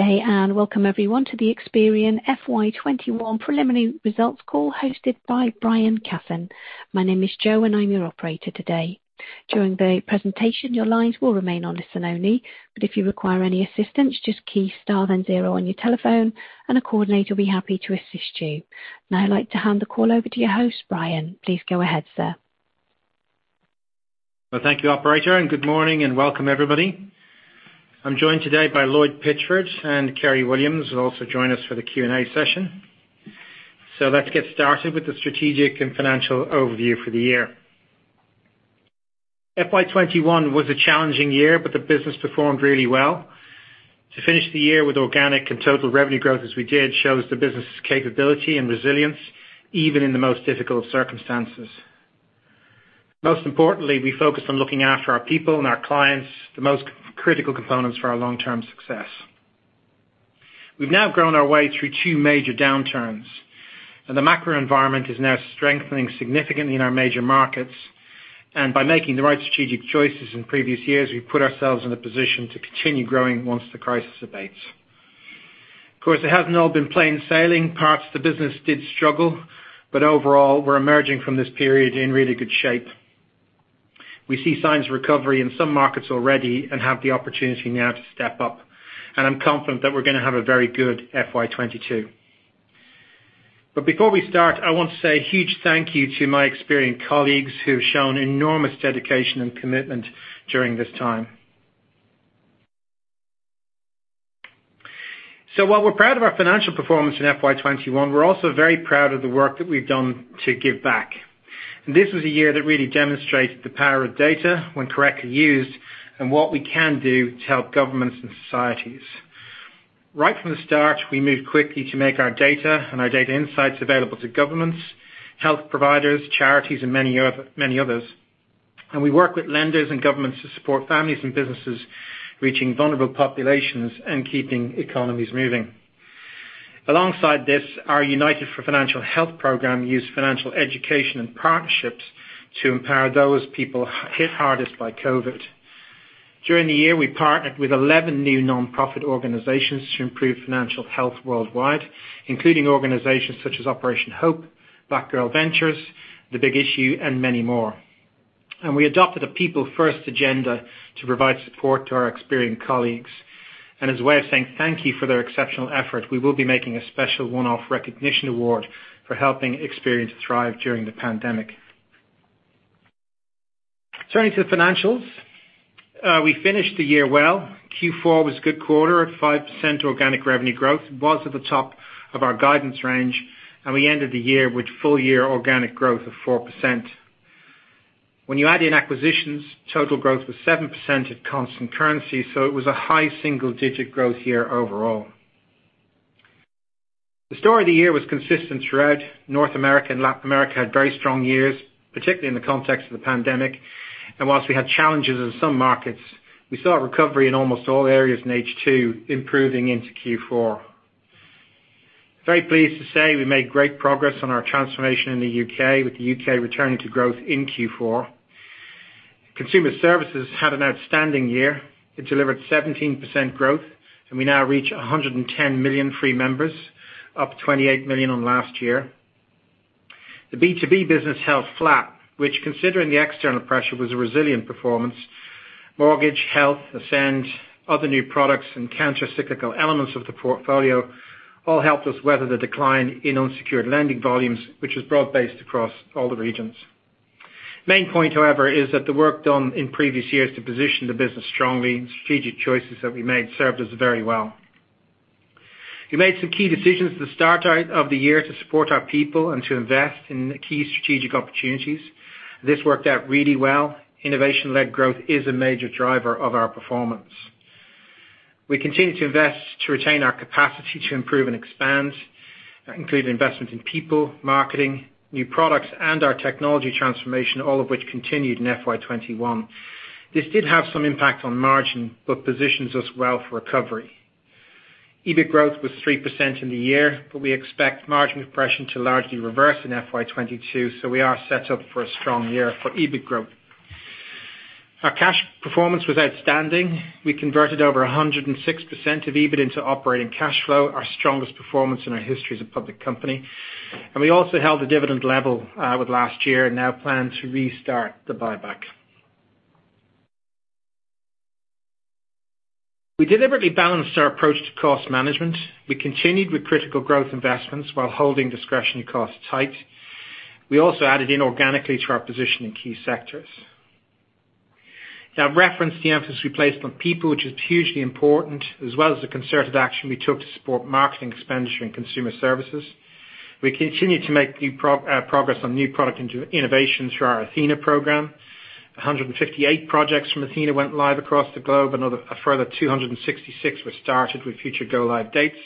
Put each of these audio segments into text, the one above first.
Good day, and welcome everyone to the Experian FY 2021 preliminary results call hosted by Brian Cassin. My name is Jo, and I'm your operator today. During the presentation, your lines will remain on listen only, but if you require any assistance, just key star then zero on your telephone, and a coordinator will be happy to assist you. Now I'd like to hand the call over to your host, Brian. Please go ahead, sir. Well, thank you operator, and good morning and welcome everybody. I'm joined today by Lloyd Pitchford, and Kerry Williams will also join us for the Q&A session. Let's get started with the strategic and financial overview for the year. FY 2021 was a challenging year, but the business performed really well. To finish the year with organic and total revenue growth as we did, shows the business' capability and resilience even in the most difficult circumstances. Most importantly, we focused on looking after our people and our clients, the most critical components for our long-term success. We've now grown our way through two major downturns, and the macro environment is now strengthening significantly in our major markets. By making the right strategic choices in previous years, we've put ourselves in a position to continue growing once the crisis abates. Of course, it hasn't all been plain sailing. Parts of the business did struggle, but overall, we're emerging from this period in really good shape. We see signs of recovery in some markets already and have the opportunity now to step up, and I'm confident that we're going to have a very good FY 2022. Before we start, I want to say a huge thank you to my Experian colleagues who have shown enormous dedication and commitment during this time. While we're proud of our financial performance in FY 2021, we're also very proud of the work that we've done to give back. This was a year that really demonstrated the power of data when correctly used, and what we can do to help governments and societies. Right from the start, we moved quickly to make our data and our data insights available to governments, health providers, charities, and many others. We worked with lenders and governments to support families and businesses, reaching vulnerable populations, and keeping economies moving. Alongside this, our United for Financial Health program used financial education and partnerships to empower those people hit hardest by COVID. During the year, we partnered with 11 new nonprofit organizations to improve financial health worldwide, including organizations such as Operation HOPE, Black Girl Ventures, The Big Issue, and many more. We adopted a people-first agenda to provide support to our Experian colleagues. As a way of saying thank you for their exceptional effort, we will be making a special one-off recognition award for helping Experian thrive during the pandemic. Turning to the financials, we finished the year well. Q4 was a good quarter at 5% organic revenue growth. It was at the top of our guidance range, and we ended the year with full-year organic growth of 4%. When you add in acquisitions, total growth was 7% at constant currency, so it was a high single-digit growth year overall. The story of the year was consistent thread. North America and Latin America had very strong years, particularly in the context of the pandemic. While we had challenges in some markets, we saw recovery in almost all areas in H2 improving into Q4. Very pleased to say we made great progress on our transformation in the U.K., with the U.K. returning to growth in Q4. Consumer services had an outstanding year. It delivered 17% growth, and we now reach 110 million free members, up 28 million on last year. The B2B business held flat, which considering the external pressure, was a resilient performance. Mortgage health, Ascend, other new products, and counter-cyclical elements of the portfolio all helped us weather the decline in unsecured lending volumes, which was broad-based across all the regions. Main point, however, is that the work done in previous years to position the business strongly and strategic choices that we made served us very well. We made some key decisions at the start of the year to support our people and to invest in key strategic opportunities. This worked out really well. Innovation-led growth is a major driver of our performance. We continue to invest to retain our capacity to improve and expand, including investment in people, marketing, new products, and our technology transformation, all of which continued in FY 2021. This did have some impact on margin, but positions us well for recovery. EBIT growth was 3% in the year. We expect margin compression to largely reverse in FY 2022. We are set up for a strong year for EBIT growth. Our cash performance was outstanding. We converted over 106% of EBIT into operating cash flow, our strongest performance in our history as a public company. We also held the dividend level with last year and now plan to restart the buyback. We deliberately balanced our approach to cost management. We continued with critical growth investments while holding discretionary costs tight. We also added inorganically to our position in key sectors. I've referenced the emphasis we placed on people, which is hugely important, as well as the concerted action we took to support marketing expenditure and consumer services. We continued to make progress on new product innovation through our Athena program. 158 projects from Athena went live across the globe. A further 266 were started with future go-live dates.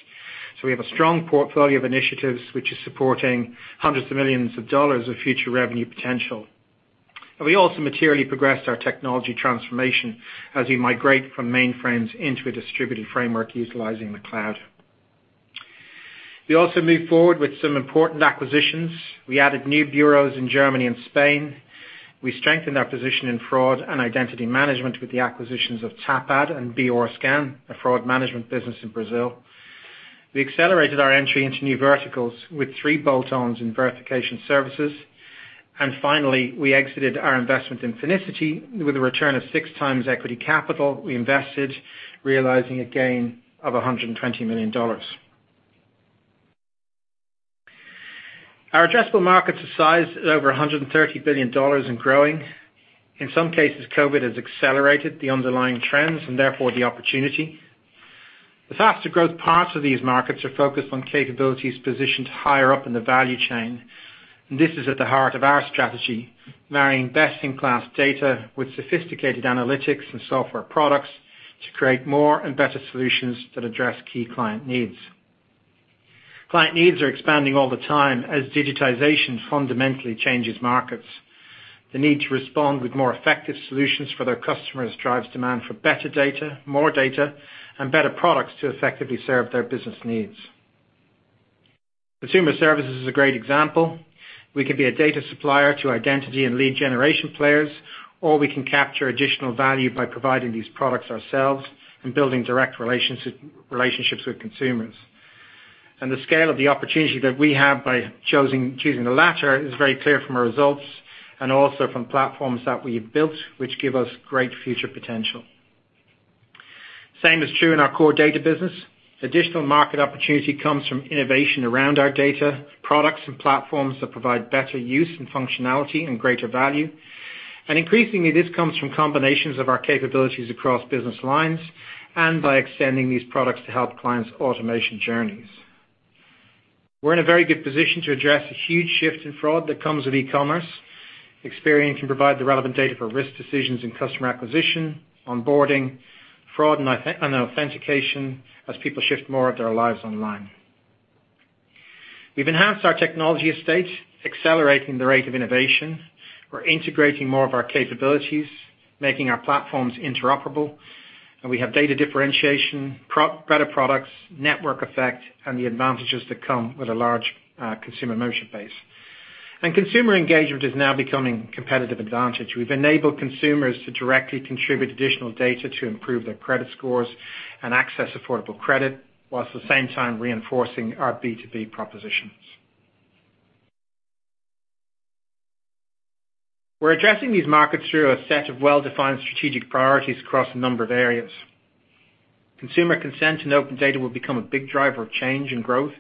We have a strong portfolio of initiatives which is supporting hundreds of millions of dollars of future revenue potential. We also materially progressed our technology transformation as we migrate from mainframes into a distributed framework utilizing the cloud. We also moved forward with some important acquisitions. We added new bureaus in Germany and Spain. We strengthened our position in fraud and identity management with the acquisitions of Tapad and BRScan, a fraud management business in Brazil. We accelerated our entry into new verticals with three bolt-ons in verification services. Finally, we exited our investment in Finicity with a return of six times equity capital we invested, realizing a gain of $120 million. Our addressable market is a size of over $130 billion and growing. In some cases, COVID has accelerated the underlying trends and therefore the opportunity. The faster growth parts of these markets are focused on capabilities positioned higher up in the value chain. This is at the heart of our strategy, marrying best-in-class data with sophisticated analytics and software products to create more and better solutions that address key client needs. Client needs are expanding all the time as digitization fundamentally changes markets. The need to respond with more effective solutions for their customers drives demand for better data, more data, and better products to effectively serve their business needs. Consumer services is a great example. We can be a data supplier to identity and lead generation players, or we can capture additional value by providing these products ourselves and building direct relationships with consumers. The scale of the opportunity that we have by choosing the latter is very clear from our results and also from platforms that we have built, which give us great future potential. Same is true in our core data business. Additional market opportunity comes from innovation around our data, products, and platforms that provide better use and functionality and greater value. Increasingly, this comes from combinations of our capabilities across business lines and by extending these products to help clients' automation journeys. We're in a very good position to address the huge shift in fraud that comes with e-commerce. Experian can provide the relevant data for risk decisions in customer acquisition, onboarding, fraud, and authentication as people shift more of their lives online. We've enhanced our technology estate, accelerating the rate of innovation. We're integrating more of our capabilities, making our platforms interoperable. We have data differentiation, better products, network effect, and the advantages that come with a large consumer motion base. Consumer engagement is now becoming a competitive advantage. We've enabled consumers to directly contribute additional data to improve their credit scores and access affordable credit, while at the same time reinforcing our B2B propositions. We're addressing these markets through a set of well-defined strategic priorities across a number of areas. Consumer consent and open data will become a big driver of change and growth,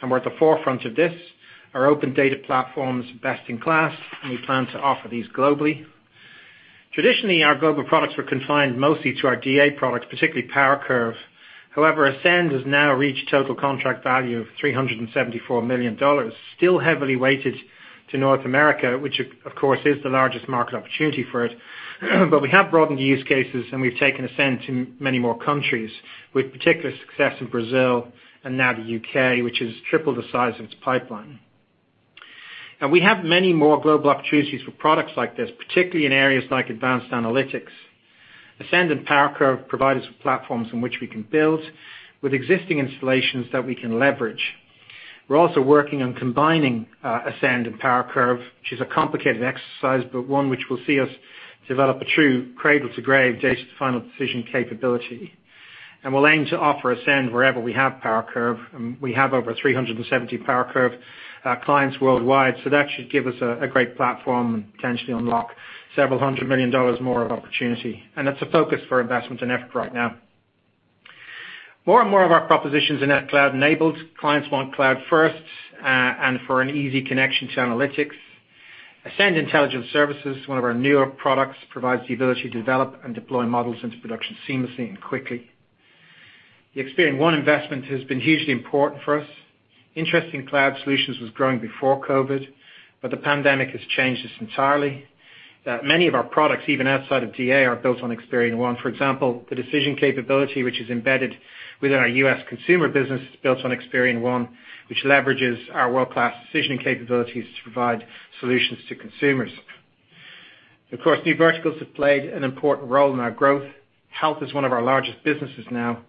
and we're at the forefront of this. Our open data platform is best in class, and we plan to offer these globally. Traditionally, our global products were confined mostly to our DA products, particularly PowerCurve. However, Ascend has now reached total contract value of $374 million, still heavily weighted to North America, which of course is the largest market opportunity for us. We have broadened the use cases, and we've taken Ascend to many more countries with particular success in Brazil and now the U.K., which has tripled the size of its pipeline. We have many more global opportunities for products like this, particularly in areas like advanced analytics. Ascend and PowerCurve provide us with platforms in which we can build with existing installations that we can leverage. We're also working on combining Ascend and PowerCurve, which is a complicated exercise, but one which will see us develop a true cradle-to-grave data-to-final decision capability. We'll aim to offer Ascend wherever we have PowerCurve, and we have over 370 PowerCurve clients worldwide, so that should give us a great platform and potentially unlock $ several hundred million more of opportunity. It's a focus for investment and effort right now. More and more of our propositions are net cloud-enabled. Clients want cloud-first and for an easy connection to analytics. Ascend Intelligence Services, one of our newer products, provides the ability to develop and deploy models into production seamlessly and quickly. The Experian One investment has been hugely important for us. Interesting cloud solutions was growing before COVID, but the pandemic has changed this entirely. Many of our products, even outside of DA, are built on Experian One. For example, the decision capability which is embedded within our U.S. consumer business is built on Experian One, which leverages our world-class decision capabilities to provide solutions to consumers. Of course, new verticals have played an important role in our growth. Health is one of our largest businesses now,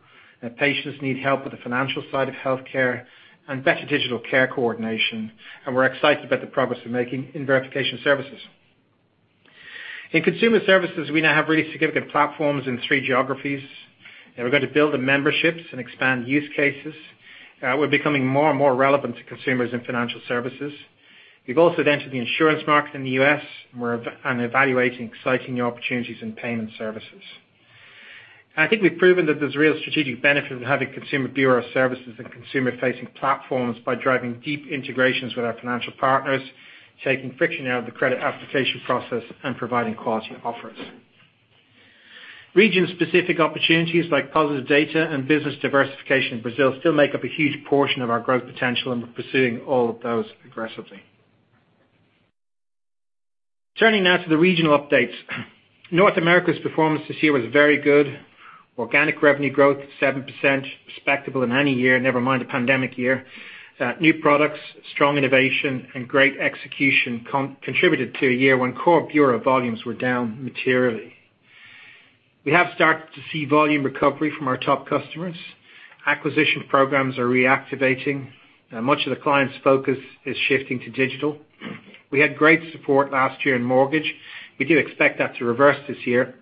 and patients need help with the financial side of healthcare and better digital care coordination, and we're excited about the progress we're making in verification services. In consumer services, we now have really significant platforms in three geographies, and we're going to build the memberships and expand use cases. We're becoming more and more relevant to consumers in financial services. We've also entered the insurance market in the U.S., and we're evaluating exciting new opportunities in payment services. I think we've proven that there's real strategic benefit of having consumer bureau services and consumer-facing platforms by driving deep integrations with our financial partners, taking friction out of the credit application process, and providing quality offers. Region-specific opportunities like positive data and business diversification in Brazil still make up a huge portion of our growth potential, and we're pursuing all of those aggressively. Turning now to the regional updates. North America's performance this year was very good. Organic revenue growth at 7%, respectable in any year, never mind a pandemic year. New products, strong innovation, and great execution contributed to a year when core bureau volumes were down materially. We have started to see volume recovery from our top customers. Acquisition programs are reactivating. Much of the clients' focus is shifting to digital. We had great support last year in mortgage. We do expect that to reverse this year.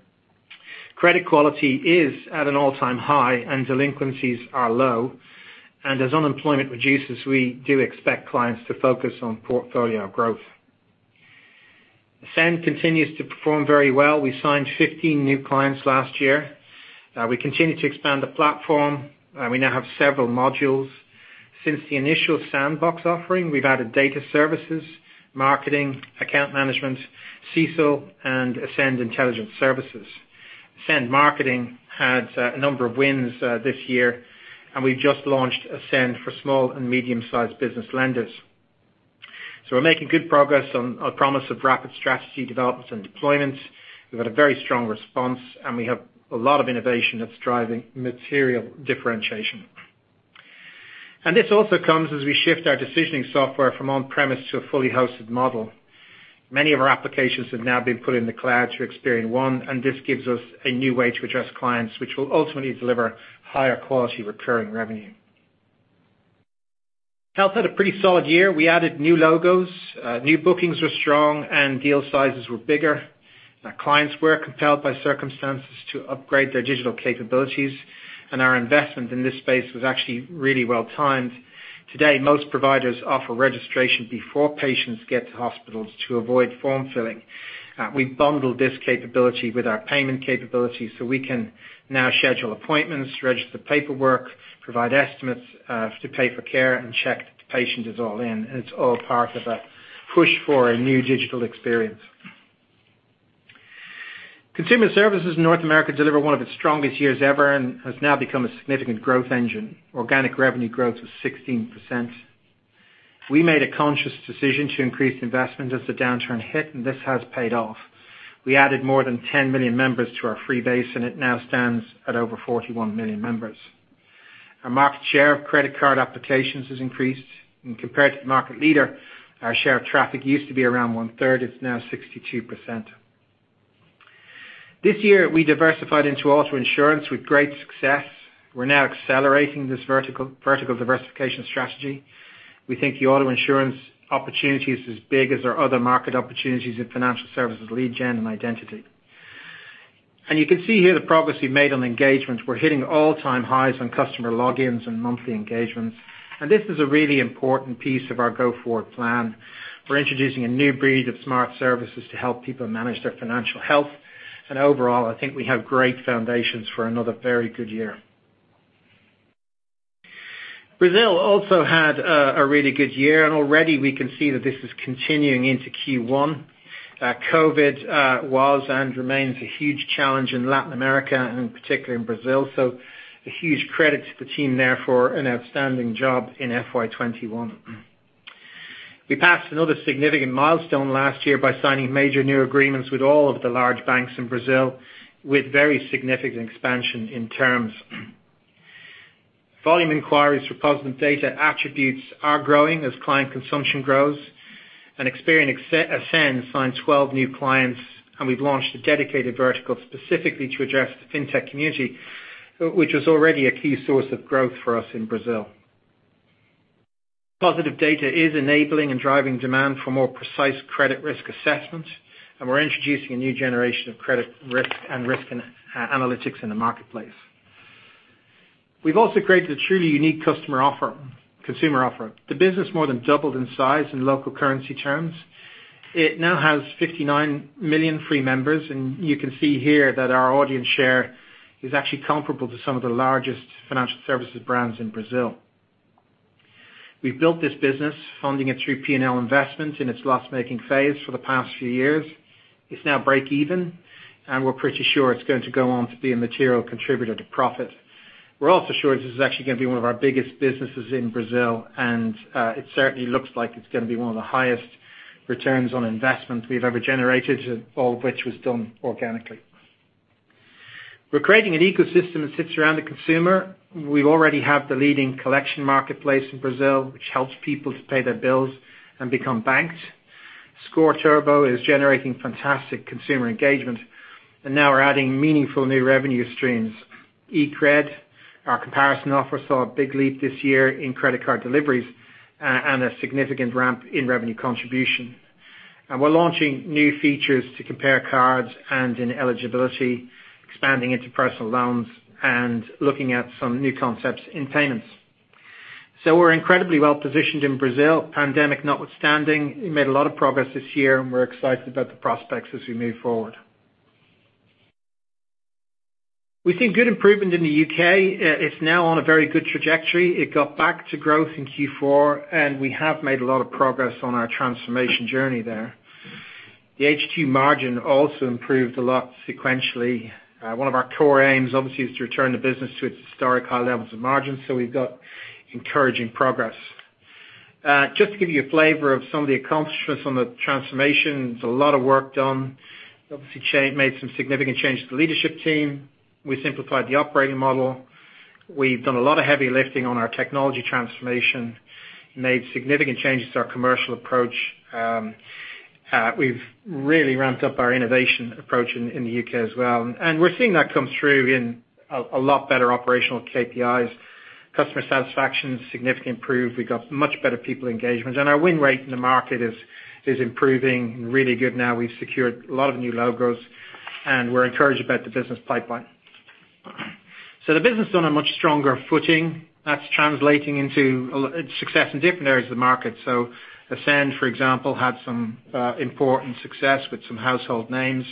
Credit quality is at an all-time high, and delinquencies are low. As unemployment reduces, we do expect clients to focus on portfolio growth. Ascend continues to perform very well. We signed 15 new clients last year. We continue to expand the platform, and we now have several modules. Since the initial sandbox offering, we've added data services, marketing, account management, CECL, and Ascend Intelligence Services. Ascend Marketing had a number of wins this year, and we just launched Ascend for small and medium-sized business lenders. We're making good progress on our promise of rapid strategy developments and deployments. We've had a very strong response, and we have a lot of innovation that's driving material differentiation. This also comes as we shift our decisioning software from on-premise to a fully hosted model. Many of our applications have now been put in the cloud through Experian One, and this gives us a new way to address clients, which will ultimately deliver higher quality recurring revenue. Health had a pretty solid year. We added new logos. New bookings were strong, and deal sizes were bigger. Clients were compelled by circumstances to upgrade their digital capabilities, and our investment in this space was actually really well-timed. Today, most providers offer registration before patients get to hospitals to avoid form filling. We bundle this capability with our payment capability so we can now schedule appointments, register paperwork, provide estimates to pay for care, and check if the patient is all in. It's all part of a push for a new digital experience. Consumer Services North America delivered one of its strongest years ever and has now become a significant growth engine. Organic revenue growth was 16%. We made a conscious decision to increase investment as the downturn hit, and this has paid off. We added more than 10 million members to our free base, and it now stands at over 41 million members. Our market share of credit card applications has increased, and compared to the market leader, our share of traffic used to be around one-third, it's now 62%. This year, we diversified into auto insurance with great success. We're now accelerating this vertical diversification strategy. We think the auto insurance opportunity is as big as our other market opportunities in financial services, lead gen, and identity. You can see here the progress we made on engagements. We're hitting all-time highs on customer logins and monthly engagements. This is a really important piece of our go-forward plan. We're introducing a new breed of smart services to help people manage their financial health. Overall, I think we have great foundations for another very good year. Brazil also had a really good year, and already we can see that this is continuing into Q1. COVID was and remains a huge challenge in Latin America, and particularly in Brazil, so a huge credit to the team there for an outstanding job in FY 2021. We passed another significant milestone last year by signing major new agreements with all of the large banks in Brazil with very significant expansion in terms. Volume inquiries for positive data attributes are growing as client consumption grows. Experian Ascend signed 12 new clients, and we've launched a dedicated vertical specifically to address the fintech community, which is already a key source of growth for us in Brazil. Positive data is enabling and driving demand for more precise credit risk assessment, and we're introducing a new generation of credit risk and risk analytics in the marketplace. We've also created a truly unique consumer offer. The business more than doubled in size in local currency terms. It now has 59 million free members, and you can see here that our audience share is actually comparable to some of the largest financial services brands in Brazil. We built this business, funding it through P&L investment in its loss-making phase for the past few years. It's now breakeven, and we're pretty sure it's going to go on to be a material contributor to profit. We're also sure this is actually going to be one of our biggest businesses in Brazil, and it certainly looks like it's going to be one of the highest returns on investment we've ever generated, all of which was done organically. We're creating an ecosystem that sits around the consumer. We already have the leading collection marketplace in Brazil, which helps people to pay their bills and become banked. Score Turbo is generating fantastic consumer engagement, and now we're adding meaningful new revenue streams. The eCred, our comparison offer, saw a big leap this year in credit card deliveries and a significant ramp in revenue contribution. We're launching new features to compare cards and in eligibility, expanding into personal loans, and looking at some new concepts in payments. We're incredibly well-positioned in Brazil. Pandemic notwithstanding, we made a lot of progress this year, and we're excited about the prospects as we move forward. We've seen good improvement in the U.K. It's now on a very good trajectory. It got back to growth in Q4, and we have made a lot of progress on our transformation journey there. The H2 margin also improved a lot sequentially. One of our core aims, obviously, is to return the business to its historical levels of margin. We've got encouraging progress. Just to give you a flavor of some of the accomplishments on the transformation, there's a lot of work done. Obviously, made some significant changes to the leadership team. We simplified the operating model. We've done a lot of heavy lifting on our technology transformation, made significant changes to our commercial approach. We've really ramped up our innovation approach in the U.K. as well. We're seeing that come through in a lot better operational KPIs. Customer satisfaction has significantly improved. We've got much better people engagement, and our win rate in the market is improving really good now. We've secured a lot of new logos, and we're encouraged about the business pipeline. The business is on a much stronger footing. That's translating into success in different areas of the market. Ascend, for example, had some important success with some household names,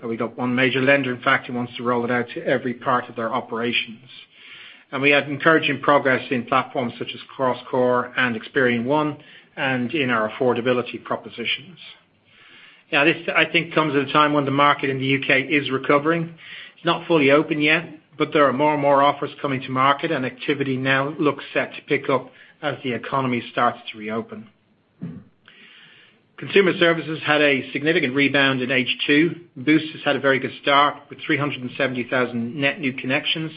and we got one major lender. In fact, he wants to roll it out to every part of their operations. We had encouraging progress in platforms such as CrossCore and Experian One and in our affordability propositions. This, I think, comes at a time when the market in the U.K. is recovering. Not fully open yet, but there are more and more offers coming to market, and activity now looks set to pick up as the economy starts to reopen. Consumer Services had a significant rebound in H2. Boost has had a very good start with 370,000 net new connections,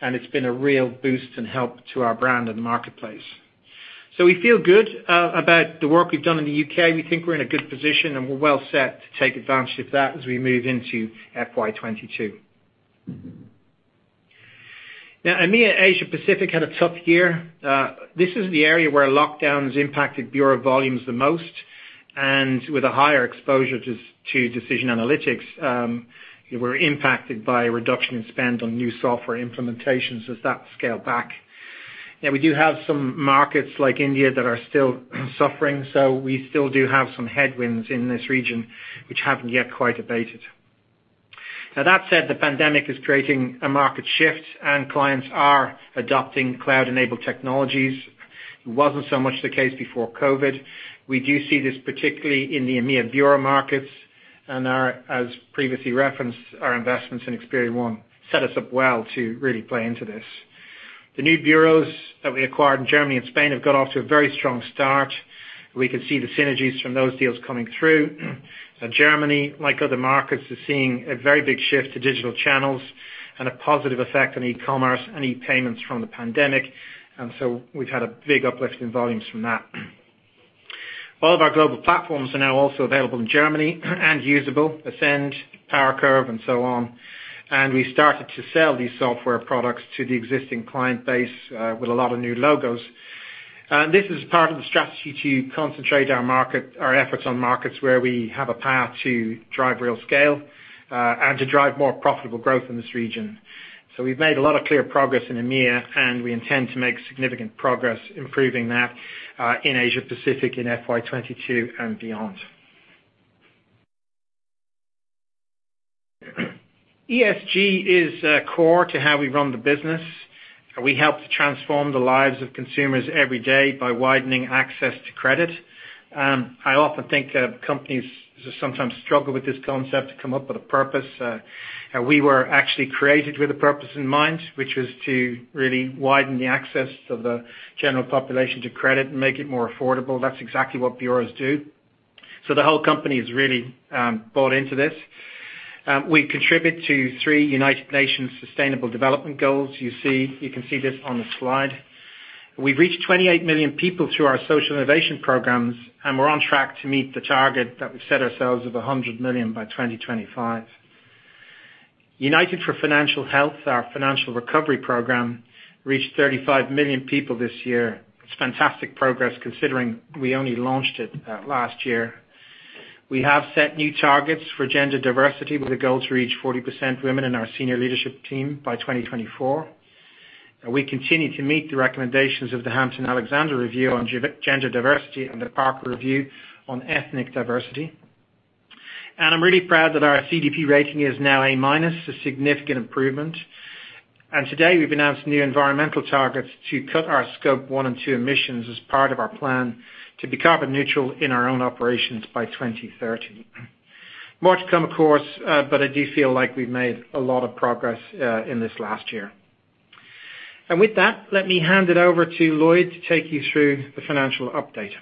and it's been a real boost and help to our brand in the marketplace. We feel good about the work we've done in the U.K. We think we're in a good position, and we're well set to take advantage of that as we move into FY 2022. EMEA Asia Pacific had a tough year. This is the area where lockdowns impacted bureau volumes the most, and with a higher exposure to Decision Analytics, we were impacted by a reduction in spend on new software implementations as that scaled back. We do have some markets like India that are still suffering, so we still do have some headwinds in this region which haven't yet quite abated. That said, the pandemic is creating a market shift, and clients are adopting cloud-enabled technologies. It wasn't so much the case before COVID. We do see this particularly in the EMEA bureau markets, and as previously referenced, our investments in Experian One set us up well to really play into this. The new bureaus that we acquired in Germany and Spain have got off to a very strong start. We can see the synergies from those deals coming through. Now Germany, like other markets, is seeing a very big shift to digital channels and a positive effect on e-commerce and e-payments from the pandemic. We've had a big uplift in volumes from that. All of our global platforms are now also available in Germany and usable, Ascend, PowerCurve, and so on. We started to sell these software products to the existing client base with a lot of new logos. This is part of the strategy to concentrate our efforts on markets where we have a path to drive real scale and to drive more profitable growth in this region. We've made a lot of clear progress in EMEA, and we intend to make significant progress improving that in Asia Pacific in FY 2022 and beyond. ESG is core to how we run the business. We help to transform the lives of consumers every day by widening access to credit. I often think that companies sometimes struggle with this concept to come up with a purpose. We were actually created with a purpose in mind, which was to really widen the access to the general population to credit and make it more affordable. That's exactly what bureaus do. The whole company has really bought into this. We contribute to three United Nations Sustainable Development Goals. You can see this on the slide. We've reached 28 million people through our social innovation programs, and we're on track to meet the target that we set ourselves of 100 million by 2025. United for Financial Health, our financial recovery program, reached 35 million people this year. It's fantastic progress considering we only launched it last year. We have set new targets for gender diversity with a goal to reach 40% women in our senior leadership team by 2024. We continue to meet the recommendations of the Hampton-Alexander Review on gender diversity and the Parker Review on ethnic diversity. I'm really proud that our CDP rating is now A minus, a significant improvement. Today, we've announced new environmental targets to cut our Scope 1 and Scope 2 emissions as part of our plan to be carbon neutral in our own operations by 2030. Much to come, of course, I do feel like we've made a lot of progress in this last year. With that, let me hand it over to Lloyd to take you through the financial update.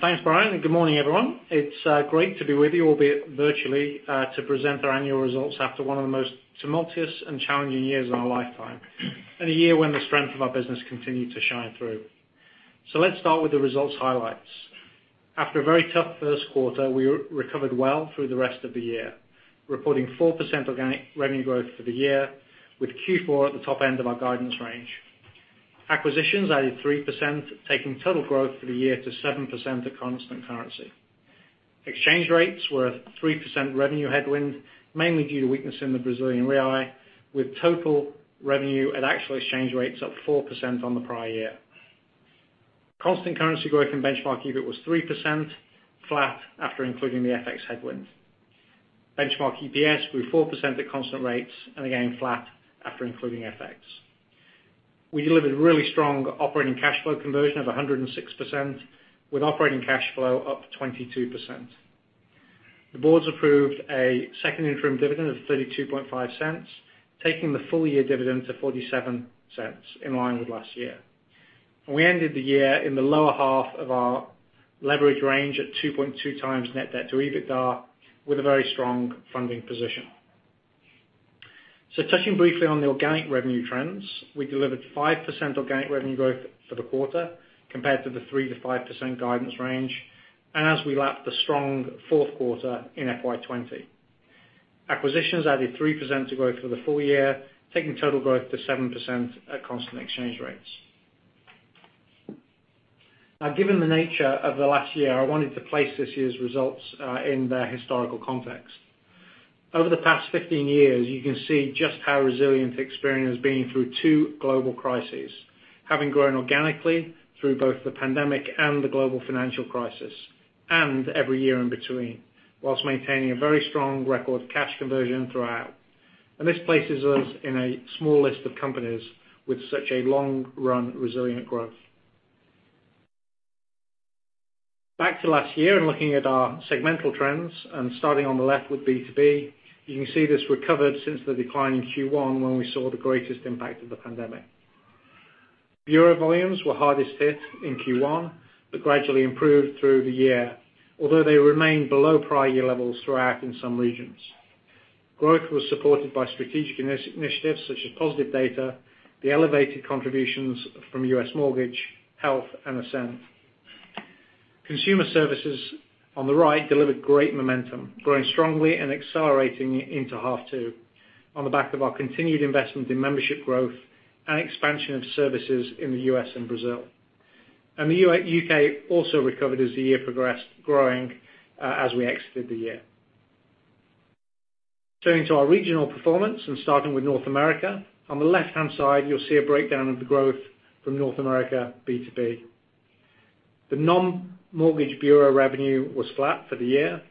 Thanks, Brian Cassin. Good morning, everyone. It's great to be with you, albeit virtually, to present our annual results after one of the most tumultuous and challenging years of our lifetime, and a year when the strength of our business continued to shine through. Let's start with the results highlights. After a very tough first quarter, we recovered well through the rest of the year, reporting 4% organic revenue growth for the year, with Q4 at the top end of our guidance range. Acquisitions added 3%, taking total growth for the year to 7% at constant currency. Exchange rates were a 3% revenue headwind, mainly due to weakness in the Brazilian real, with total revenue at actual exchange rates up 4% on the prior year. Constant currency growth and benchmark EBIT was 3%, flat after including the FX headwind. Benchmark EPS was 4% at constant rates, again flat after including FX. We delivered really strong operating cash flow conversion of 106%, with operating cash flow up 22%. The boards approved a second interim dividend of $0.325, taking the full-year dividend to $0.47 in line with last year. We ended the year in the lower half of our leverage range at 2.2 times net debt to EBITDA, with a very strong funding position. Touching briefly on the organic revenue trends, we delivered 5% organic revenue growth for the quarter compared to the 3%-5% guidance range, and as we lapped the strong fourth quarter in FY 2020. Acquisitions added 3% to growth for the full year, taking total growth to 7% at constant exchange rates. Now, given the nature of the last year, I wanted to place this year's results in their historical context. Over the past 15 years, you can see just how resilient Experian has been through two global crises, having grown organically through both the pandemic and the global financial crisis, and every year in between, whilst maintaining a very strong record of cash conversion throughout. This places us in a small list of companies with such a long-run resilient growth. Back to last year and looking at our segmental trends, and starting on the left with B2B, you can see this recovered since the decline in Q1 when we saw the greatest impact of the pandemic. Bureau volumes were hardest hit in Q1 but gradually improved through the year, although they remained below prior year levels throughout in some regions. Growth was supported by strategic initiatives such as positive data, the elevated contributions from U.S. mortgage, health, and Ascend. Consumer services on the right delivered great momentum, growing strongly and accelerating into half two on the back of our continued investment in membership growth and expansion of services in the U.S. and Brazil. The U.K. also recovered as the year progressed, growing as we exited the year. Turning to our regional performance and starting with North America, on the left-hand side, you'll see a breakdown of the growth from North America B2B. The non-mortgage bureau revenue was flat for the year.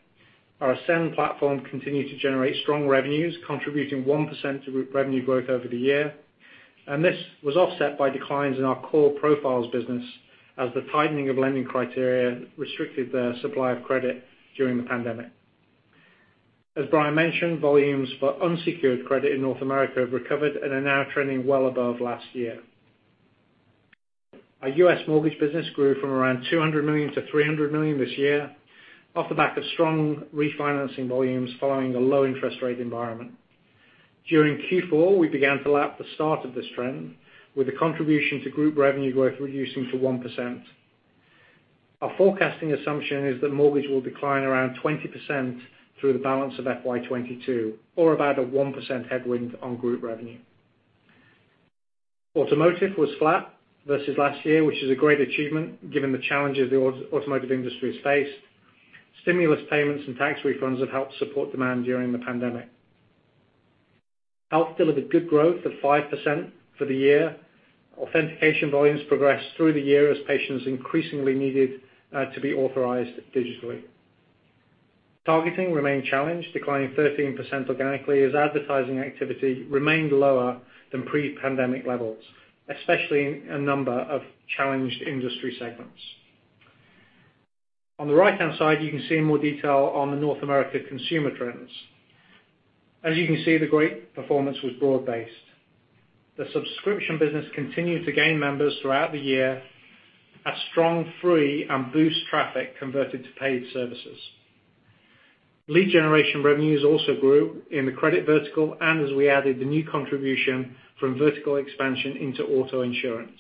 Our Ascend platform continued to generate strong revenues, contributing 1% to revenue growth over the year, and this was offset by declines in our core profiles business as the tightening of lending criteria restricted their supply of credit during the pandemic. As Brian mentioned, volumes for unsecured credit in North America have recovered and are now trending well above last year. Our U.S. mortgage business grew from around 200 million to 300 million this year, off the back of strong refinancing volumes following a low-interest rate environment. During Q4, we began to lap the start of this trend with a contribution to group revenue growth reducing to 1%. Our forecasting assumption is that mortgage will decline around 20% through the balance of FY 2022, or about a 1% headwind on group revenue. Automotive was flat versus last year, which is a great achievement given the challenges the automotive industry has faced. Stimulus payments and tax refunds have helped support demand during the pandemic. Health delivered good growth of 5% for the year. Authentication volumes progressed through the year as patients increasingly needed to be authorized digitally. Targeting remained challenged, declining 13% organically as advertising activity remained lower than pre-pandemic levels, especially in a number of challenged industry segments. On the right-hand side, you can see more detail on the North America consumer trends. As you can see, the great performance was broad-based. The subscription business continued to gain members throughout the year as strong free and Boost traffic converted to paid services. Lead generation revenues also grew in the credit vertical. As we added the new contribution from vertical expansion into auto insurance,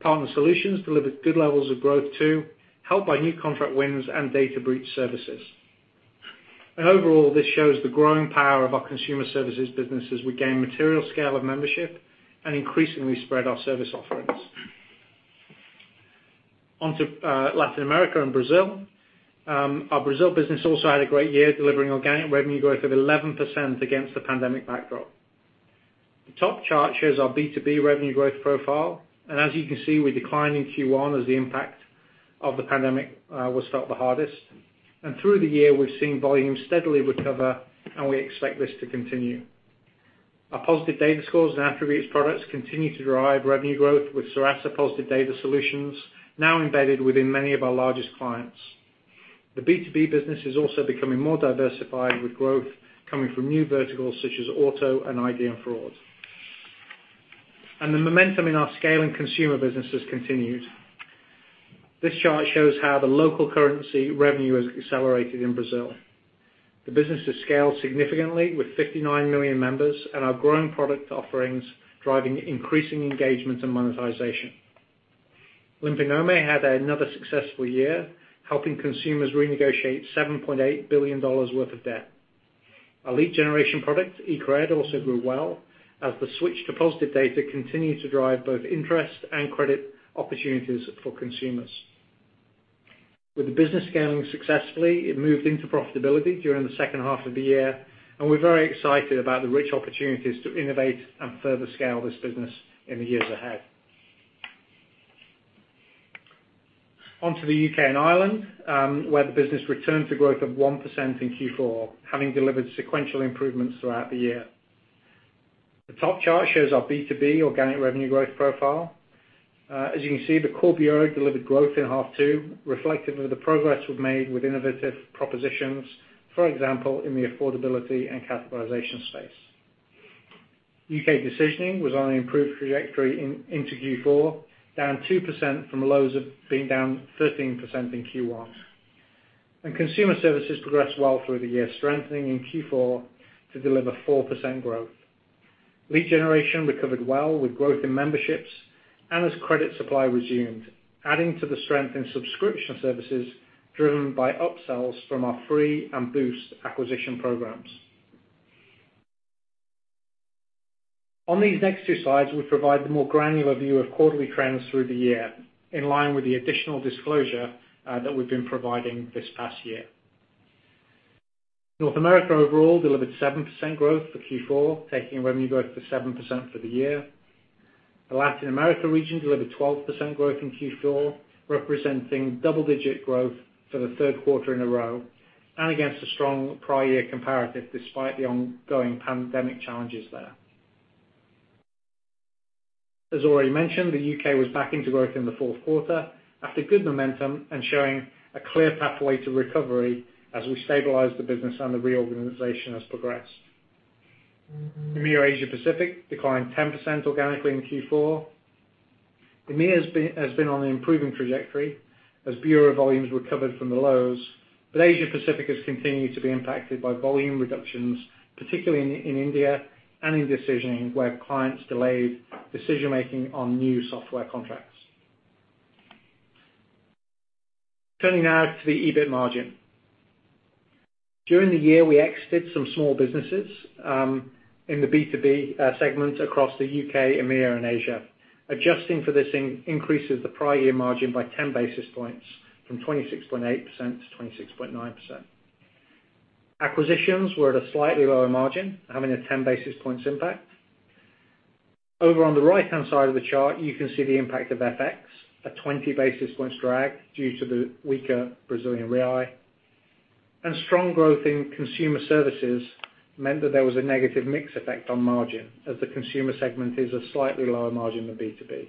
Partner solutions delivered good levels of growth too, helped by new contract wins and data breach services. Overall, this shows the growing power of our consumer services business as we gain material scale of membership and increasingly spread our service offerings. On to Latin America and Brazil. Our Brazil business also had a great year delivering organic revenue growth of 11% against the pandemic backdrop. The top chart shows our B2B revenue growth profile. As you can see, we declined in Q1 as the impact of the pandemic was felt the hardest. Through the year, we've seen volumes steadily recover and we expect this to continue. Our positive data scores and attributes products continue to drive revenue growth, with Serasa positive data solutions now embedded within many of our largest clients. The B2B business is also becoming more diversified with growth coming from new verticals such as auto and ID and fraud. The momentum in our scale and consumer business has continued. This chart shows how the local currency revenue has accelerated in Brazil. The business has scaled significantly with 59 million members and our growing product offerings driving increasing engagement and monetization. Limpa Nome had another successful year, helping consumers renegotiate $7.8 billion worth of debt. Our lead generation product, eCred, also grew well as the switch to positive data continued to drive both interest and credit opportunities for consumers. With the business scaling successfully, it moved into profitability during the second half of the year, and we're very excited about the rich opportunities to innovate and further scale this business in the years ahead. On to the U.K. and Ireland, where the business returned to growth of 1% in Q4, having delivered sequential improvements throughout the year. The top chart shows our B2B organic revenue growth profile. As you can see, the core bureau delivered growth in half two, reflective of the progress we've made with innovative propositions, for example, in the affordability and categorization space. U.K. decisioning was on an improved trajectory into Q4, down 2% from lows of being down 13% in Q1. Consumer services progressed well through the year, strengthening in Q4 to deliver 4% growth. Lead generation recovered well with growth in memberships and as credit supply resumed, adding to the strength in subscription services driven by upsells from our free and Boost acquisition programs. On these next two slides, we provide the more granular view of quarterly trends through the year, in line with the additional disclosure that we've been providing this past year. North America overall delivered 7% growth for Q4, taking revenue growth to 7% for the year. The Latin America region delivered 12% growth in Q4, representing double-digit growth for the third quarter in a row, and against a strong prior year comparative, despite the ongoing pandemic challenges there. As already mentioned, the U.K. was back into growth in the fourth quarter after good momentum and showing a clear pathway to recovery as we stabilized the business and the reorganization has progressed. EMEA Asia Pacific declined 10% organically in Q4. EMEA has been on an improving trajectory as bureau volumes recovered from the lows, but Asia Pacific has continued to be impacted by volume reductions, particularly in India, and in decisioning where clients delayed decision-making on new software contracts. Turning now to the EBIT margin. During the year, we exited some small businesses in the B2B segments across the U.K., EMEA, and Asia. Adjusting for this increases the prior year margin by 10 basis points from 26.8%-26.9%. Acquisitions were at a slightly lower margin, having a 10 basis points impact. Over on the right-hand side of the chart, you can see the impact of FX, a 20 basis points drag due to the weaker Brazilian real, and strong growth in consumer services meant that there was a negative mix effect on margin as the consumer segment is a slightly lower margin than B2B.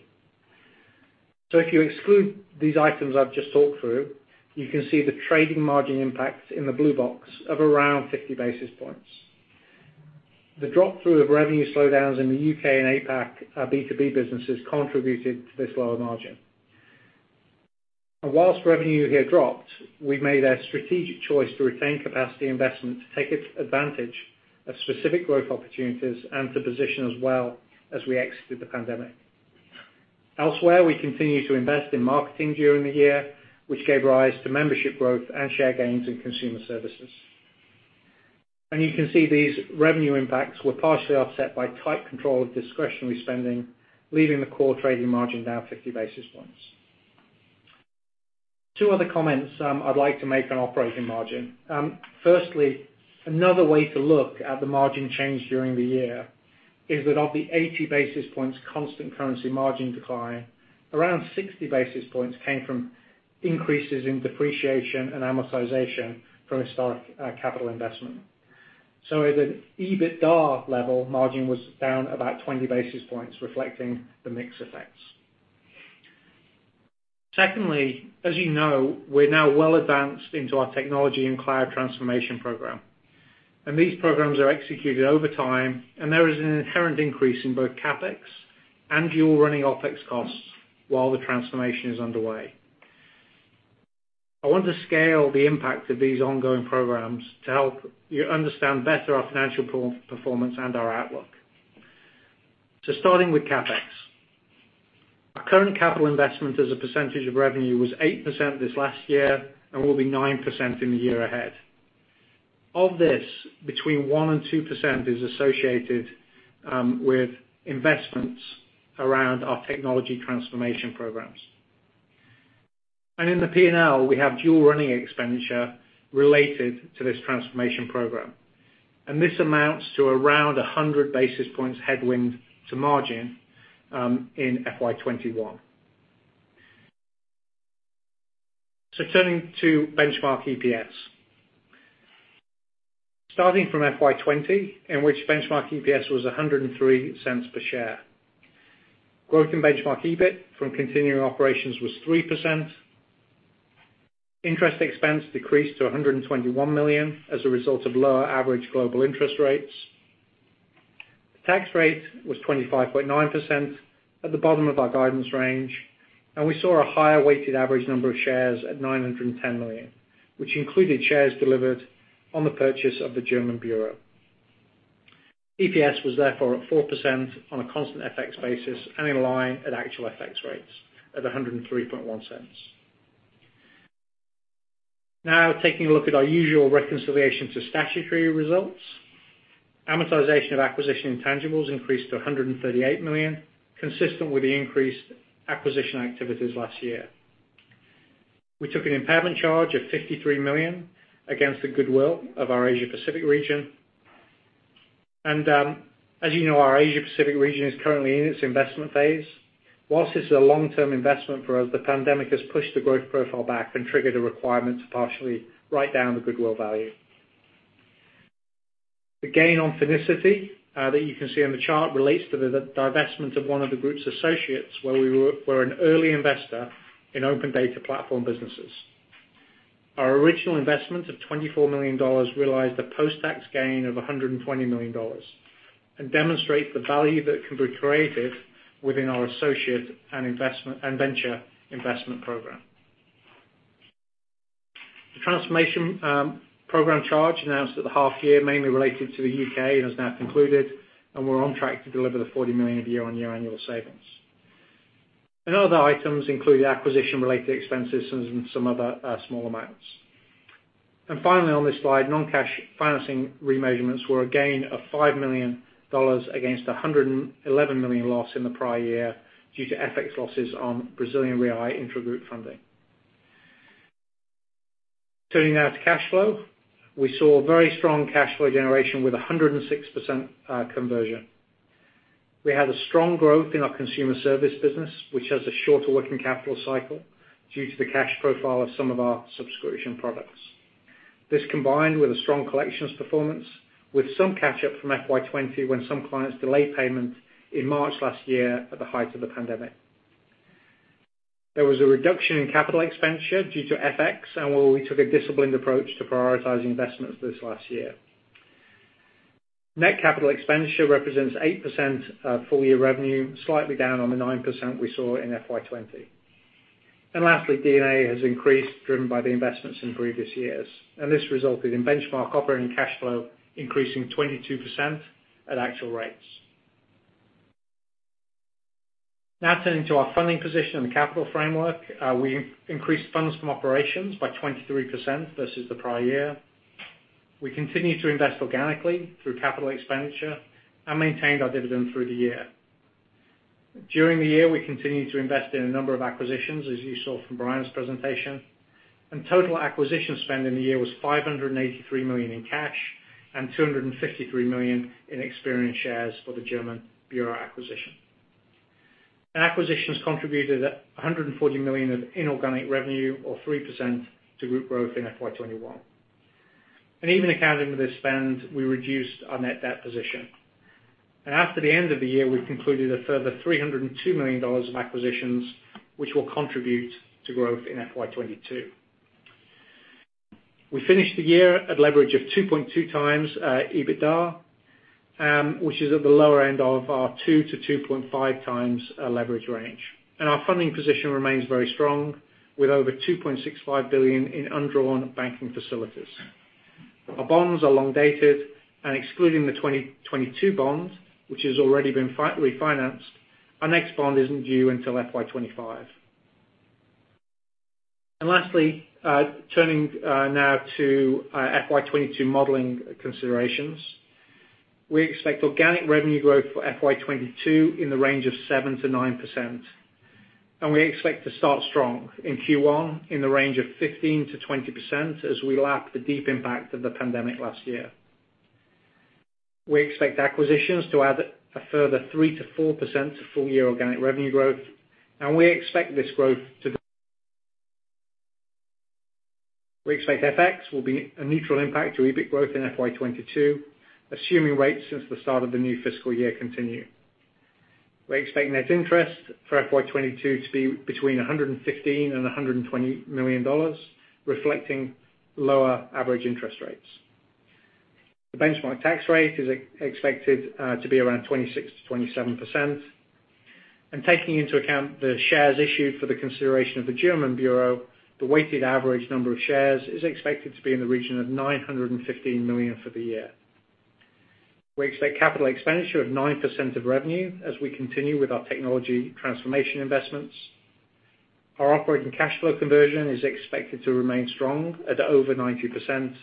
If you exclude these items I've just talked through, you can see the trading margin impact in the blue box of around 50 basis points. The drop through of revenue slowdowns in the U.K. and APAC B2B businesses contributed to this lower margin. Whilst revenue here dropped, we made a strategic choice to retain capacity investment to take advantage of specific growth opportunities and to position ourselves as we exited the pandemic. Elsewhere, we continued to invest in marketing during the year, which gave rise to membership growth and share gains in consumer services. You can see these revenue impacts were partially offset by tight control of discretionary spending, leaving the core trading margin down 50 basis points. Two other comments I'd like to make on our profit and margin. Firstly, another way to look at the margin change during the year is that of the 80 basis points constant currency margin decline, around 60 basis points came from increases in depreciation and amortization from historic capital investment. At an EBITDA level, margin was down about 20 basis points reflecting the mix effects. Secondly, as you know, we're now well advanced into our technology and cloud transformation program. These programs are executed over time, and there is an inherent increase in both CapEx and dual-running OpEx costs while the transformation is underway. I want to scale the impact of these ongoing programs to help you understand better our financial performance and our outlook. Starting with CapEx. Our current capital investment as a percentage of revenue was 8% this last year and will be 9% in the year ahead. Of this, between 1% and 2% is associated with investments around our technology transformation programs. In the P&L, we have dual running expenditure related to this transformation program, and this amounts to around 100 basis points headwind to margin in FY 2021. Turning to benchmark EPS. Starting from FY 2020, in which benchmark EPS was $1.03 per share. Growth in benchmark EBIT from continuing operations was 3%. Interest expense decreased to $121 million as a result of lower average global interest rates. The tax rate was 25.9% at the bottom of our guidance range, and we saw a higher weighted average number of shares at 910 million, which included shares delivered on the purchase of the German bureau. EPS was therefore up 4% on a constant FX basis and in line at actual FX rates of $1.031. Now taking a look at our usual reconciliation to statutory results. Amortization of acquisition intangibles increased to 138 million, consistent with the increased acquisition activities last year. We took an impairment charge of 53 million against the goodwill of our Asia Pacific region. As you know, our Asia Pacific region is currently in its investment phase. While it's a long-term investment for us, the pandemic has pushed the growth profile back and triggered a requirement to partially write down the goodwill value. The gain on Finicity that you can see on the chart relates to the divestment of one of the group's associates where we were an early investor in open data platform businesses. Our original investment of GBP 24 million realized a post-tax gain of $120 million and demonstrate the value that can be created within our associate and venture investment program. The transformation program charge announced at the half year mainly related to the U.K. has now concluded, and we're on track to deliver the 40 million a year on annual savings. Other items include acquisition-related expenses and some other small amounts. Finally, on this slide, non-cash financing remeasurements were a gain of GBP 5 million against 111 million loss in the prior year due to FX losses on Brazilian real intragroup funding. Turning now to cash flow. We saw very strong cash flow generation with 106% conversion. We had a strong growth in our consumer service business, which has a shorter working capital cycle due to the cash profile of some of our subscription products. This combined with a strong collections performance with some catch-up from FY 2020 when some clients delayed payment in March last year at the height of the pandemic. There was a reduction in capital expenditure due to FX, and while we took a disciplined approach to prioritizing investments this last year. Net capital expenditure represents 8% full-year revenue, slightly down on the 9% we saw in FY 2020. Lastly, D&A has increased driven by the investments in previous years, and this resulted in benchmark operating cash flow increasing 22% at actual rates. Now turning to our funding position and capital framework. We increased funds from operations by 23% versus the prior year. We continued to invest organically through capital expenditure and maintained our dividend through the year. During the year, we continued to invest in a number of acquisitions, as you saw from Brian's presentation, and total acquisition spend in the year was 583 million in cash and 253 million in Experian shares for the German Bureau acquisition. Acquisitions contributed 140 million of inorganic revenue or 3% to group growth in FY 2021. Even accounting with the spend, we reduced our net debt position. After the end of the year, we completed a further GBP 302 million of acquisitions, which will contribute to growth in FY 2022. We finished the year at leverage of 2.2 times EBITDA, which is at the lower end of our 2-2.5x leverage range. Our funding position remains very strong with over 2.65 billion in undrawn banking facilities. Our bonds are long dated and excluding the 2022 bond, which has already been refinanced, our next bond isn't due until FY 2025. Lastly, turning now to FY 2022 modeling considerations. We expect organic revenue growth for FY 2022 in the range of 7%-9%, and we expect to start strong in Q1 in the range of 15%-20% as we lap the deep impact of the pandemic last year. We expect acquisitions to add a further 3%-4% to full-year organic revenue growth. We expect FX will be a neutral impact to EBIT growth in FY 2022, assuming rates since the start of the new fiscal year continue. We expect net interest for FY 2022 to be between $115 million and $120 million, reflecting lower average interest rates. The benchmark tax rate is expected to be around 26%-27%, taking into account the shares issued for the consideration of the German Bureau, the weighted average number of shares is expected to be in the region of 915 million for the year. We expect capital expenditure of 9% of revenue as we continue with our technology transformation investments. Our operating cash flow conversion is expected to remain strong at over 90%.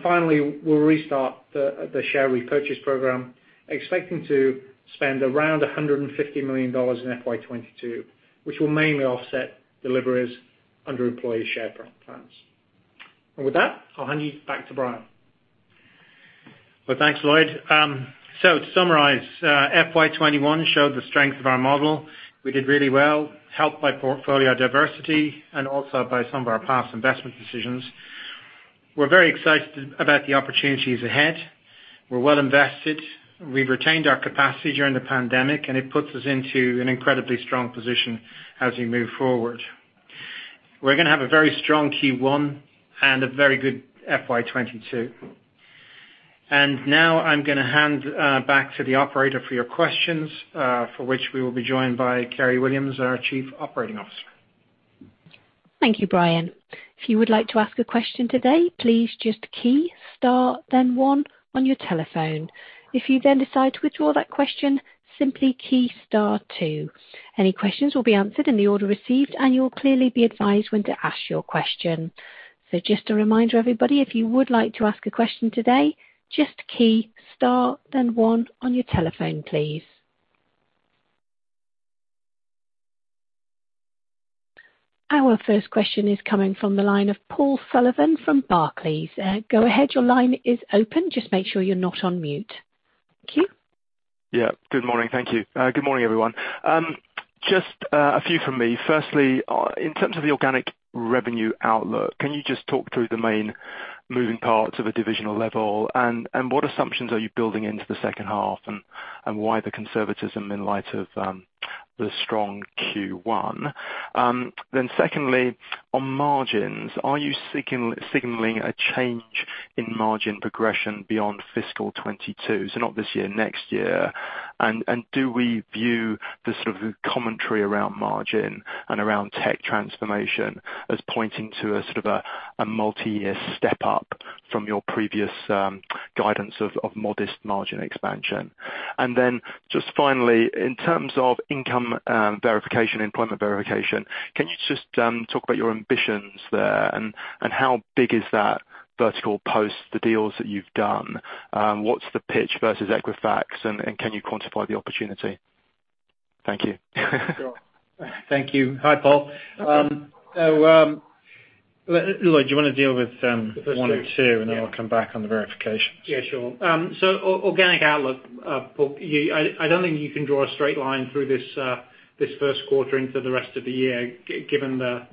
Finally, we'll restart the share repurchase program, expecting to spend around $150 million in FY 2022, which will mainly offset deliveries under employee share plans. With that, I'll hand you back to Brian. Well, thanks, Lloyd. To summarize, FY 2021 showed the strength of our model. We did really well, helped by portfolio diversity and also by some of our past investment decisions. We're very excited about the opportunities ahead. We're well invested. We retained our capacity during the pandemic, and it puts us into an incredibly strong position as we move forward. We're going to have a very strong Q1 and a very good FY 2022. Now I'm going to hand back to the operator for your questions, for which we will be joined by Kerry Williams, our Chief Operating Officer. Thank you, Brian. If you would like to ask a question today, please just key star, then one on your telephone. If you then decide to withdraw that question, simply key star two. Any questions will be answered in the order received, and you'll clearly be advised when to ask your question. Just a reminder, everybody, if you would like to ask a question today, just key star, then one on your telephone, please. Our first question is coming from the line of Paul Sullivan from Barclays. Go ahead. Your line is open. Just make sure you're not on mute. Thank you. Yeah. Good morning. Thank you. Good morning, everyone. Just a few from me. Firstly, in terms of the organic revenue outlook, can you just talk through the main moving parts of the divisional level? What assumptions are you building into the second half and why the conservatism in light of the strong Q1. Secondly, on margins, are you signaling a change in margin progression beyond fiscal 2022? Not this year, next year. Do we view the sort of commentary around margin and around tech transformation as pointing to a sort of a multi-year step up from your previous guidance of modest margin expansion? Just finally, in terms of income verification, employment verification, can you just talk about your ambitions there and how big is that vertical post the deals that you've done? What's the pitch versus Equifax, and can you quantify the opportunity? Thank you. Sure. Thank you. Hi, Paul. Lloyd, do you want to deal with one and two, and then I'll come back on the verifications? Yeah, sure. Organic outlook, Paul Sullivan, I don't think you can draw a straight line through this first quarter into the rest of the year, given the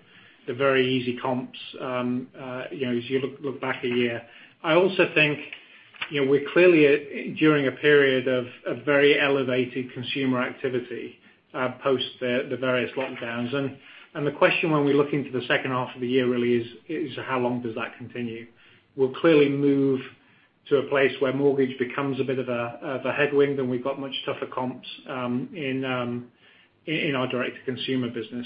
very easy comps, as you look back a year. I also think we're clearly during a period of very elevated consumer activity post the various lockdowns. The question when we look into the second half of the year really is, how long does that continue? We'll clearly move to a place where mortgage becomes a bit of a headwind and we've got much tougher comps in our direct consumer business.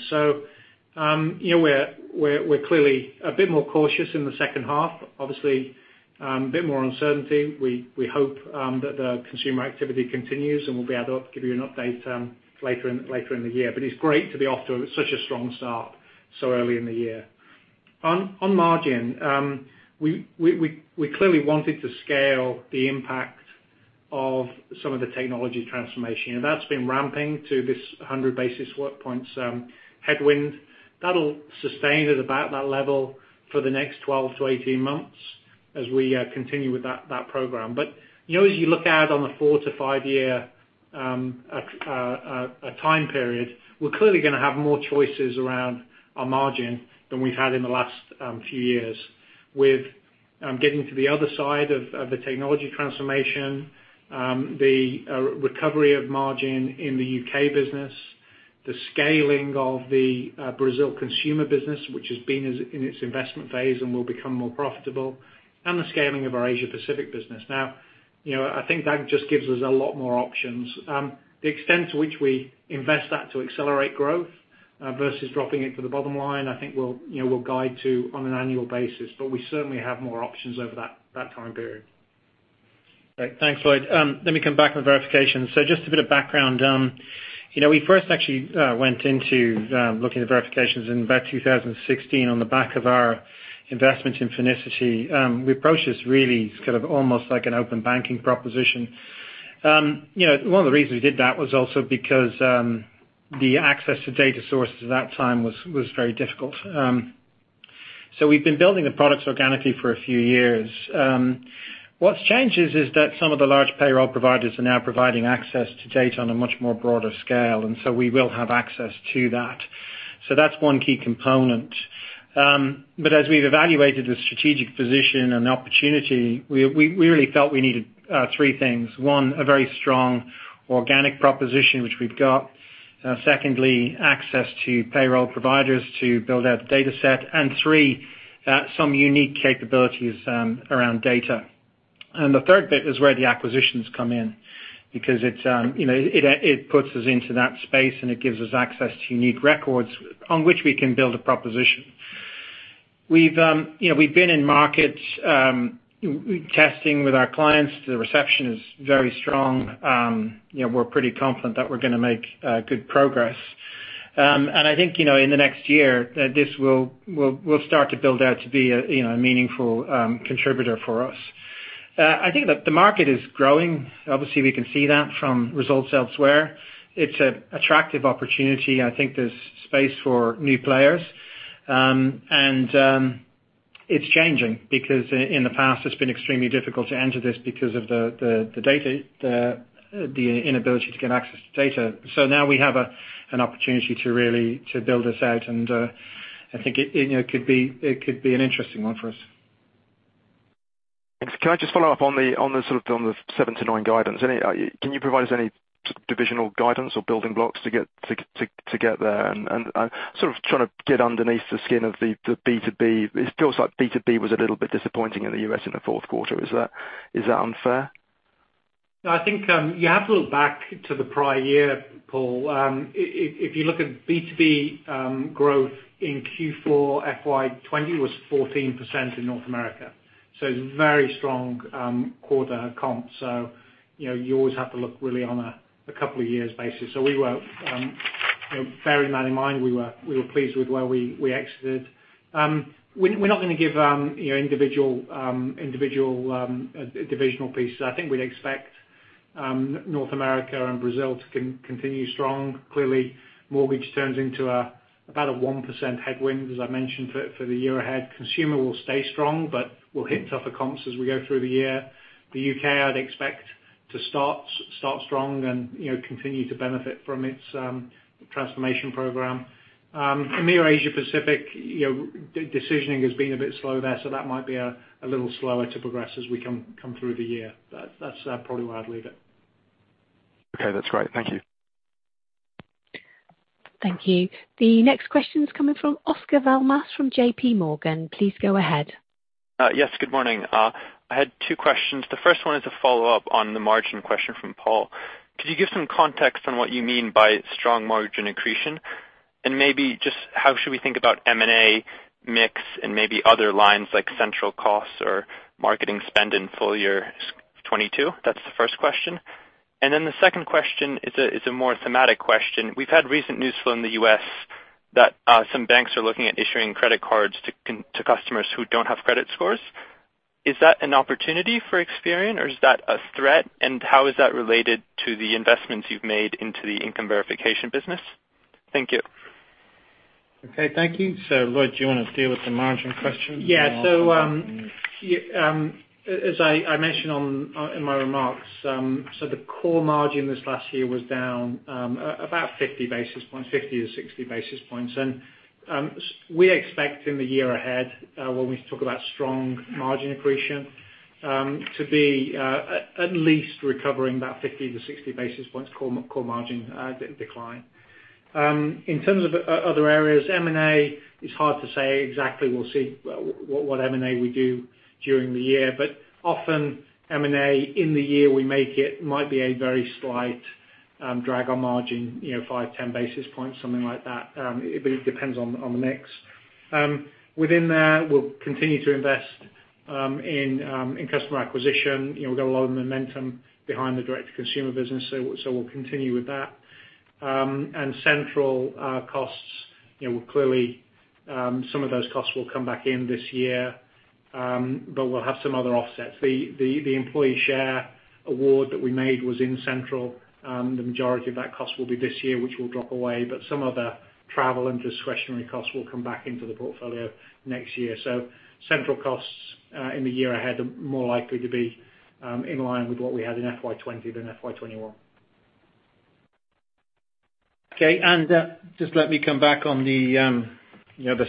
We're clearly a bit more cautious in the second half, obviously, a bit more uncertainty. We hope that the consumer activity continues, and we'll be able to give you an update later in the year. It's great to be off to such a strong start so early in the year. On margin, we clearly wanted to scale the impact of some of the technology transformation. That's been ramping to this 100 basis points headwind. That'll sustain at about that level for the next 12 to 18 months as we continue with that program. As you look out on the 4 to 5-year time period, we're clearly going to have more choices around our margin than we've had in the last few years. With getting to the other side of the technology transformation, the recovery of margin in the U.K. business, the scaling of the Brazil consumer business, which has been in its investment phase and will become more profitable, and the scaling of our Asia Pacific business. I think that just gives us a lot more options. The extent to which we invest that to accelerate growth versus dropping it to the bottom line, I think we'll guide to on an annual basis, but we certainly have more options over that time period. Right. Thanks, Lloyd. Let me come back on verification. Just a bit of background. We first actually went into looking at verifications in about 2016 on the back of our investment in Finicity. We approached this really as kind of almost like an open banking proposition. One of the reasons we did that was also because the access to data sources at that time was very difficult. We've been building the products organically for a few years. What's changed is that some of the large payroll providers are now providing access to data on a much more broader scale, we will have access to that. That's one key component. As we've evaluated the strategic position and opportunity, we really felt we needed three things. One, a very strong organic proposition, which we've got. Secondly, access to payroll providers to build out the data set. Three, some unique capabilities around data. The third bit is where the acquisitions come in, because it puts us into that space, and it gives us access to unique records on which we can build a proposition. We've been in markets testing with our clients. The reception is very strong. We're pretty confident that we're going to make good progress. I think, in the next year, this will start to build out to be a meaningful contributor for us. I think that the market is growing. Obviously, we can see that from results elsewhere. It's an attractive opportunity. I think there's space for new players. It's changing, because in the past, it's been extremely difficult to enter this because of the inability to get access to data. Now we have an opportunity really to build this out, and I think it could be an interesting one for us. Can I just follow up on the sort of 7-9 guidance? Can you provide any divisional guidance or building blocks to get there and sort of try to get underneath the skin of the B2B? It feels like B2B was a little bit disappointing in the U.S. in the fourth quarter. Is that unfair? No, I think you have to look back to the prior year, Paul. If you look at B2B growth in Q4 FY 2020 was 14% in North America, very strong quarter comp. You always have to look really on a couple of years basis. Bearing that in mind, we were pleased with where we exited. We're not going to give individual divisional pieces. I think we'd expect North America and Brazil to continue strong. Clearly, mortgage turns into about a 1% headwind, as I mentioned, for the year ahead. Consumer will stay strong, we'll hit tougher comps as we go through the year. The U.K., I'd expect to start strong and continue to benefit from its transformation program. In the Asia Pacific, decisioning has been a bit slow there, that might be a little slower to progress as we come through the year. That's probably where I'd leave it. Okay, that's great. Thank you. Thank you. The next question is coming from Anvesh Agrawal from JPMorgan. Please go ahead. Yes, good morning. I had two questions. The first one is a follow-up on the margin question from Paul. Could you give some context on what you mean by strong margin accretion, and maybe just how should we think about M&A mix and maybe other lines like central costs or marketing spend in full year 2022? That's the first question. The second question is a more thematic question. We've had recent news flow in the U.S. That some banks are looking at issuing credit cards to customers who don't have credit scores. Is that an opportunity for Experian or is that a threat? How is that related to the investments you've made into the income verification business? Thank you. Okay, thank you. Lloyd, do you want to deal with the margin question? As I mentioned in my remarks, the core margin this last year was down about 50 basis points, 50 to 60 basis points. We expect in the year ahead, when we talk about strong margin accretion, to be at least recovering that 50 to 60 basis points core margin decline. In terms of other areas, M&A, it's hard to say exactly. We'll see what M&A we do during the year, often M&A in the year we make it might be a very slight drag on margin, five, 10 basis points, something like that. It depends on the mix. Within there, we'll continue to invest in customer acquisition. We've got a lot of momentum behind the direct consumer business, we'll continue with that. Central costs, clearly some of those costs will come back in this year, we'll have some other offsets. The employee share award that we made was in central. The majority of that cost will be this year, which will drop away, but some of the travel and discretionary costs will come back into the portfolio next year. Central costs in the year ahead are more likely to be in line with what we had in FY 2020 than FY 2021. Okay. Just let me come back on the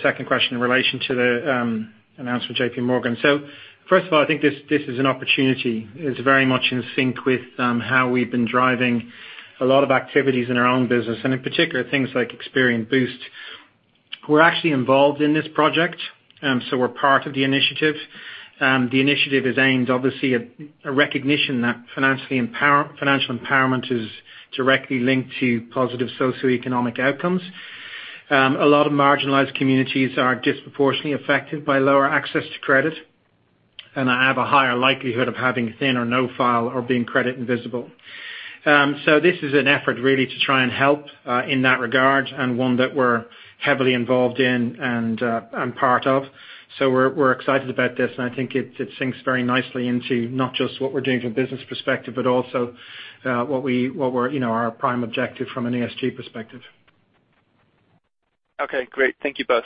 second question in relation to the announcement from JPMorgan. First of all, I think this is an opportunity. It's very much in sync with how we've been driving a lot of activities in our own business, and in particular, things like Experian Boost. We're actually involved in this project, so we're part of the initiative. The initiative is aimed, obviously, at a recognition that financial empowerment is directly linked to positive socioeconomic outcomes. A lot of marginalized communities are disproportionately affected by lower access to credit and have a higher likelihood of having a thin or no file or being credit invisible. This is an effort really to try and help in that regard and one that we're heavily involved in and part of. We're excited about this, and I think it syncs very nicely into not just what we're doing from a business perspective, but also our prime objective from an ESG perspective. Okay, great. Thank you both.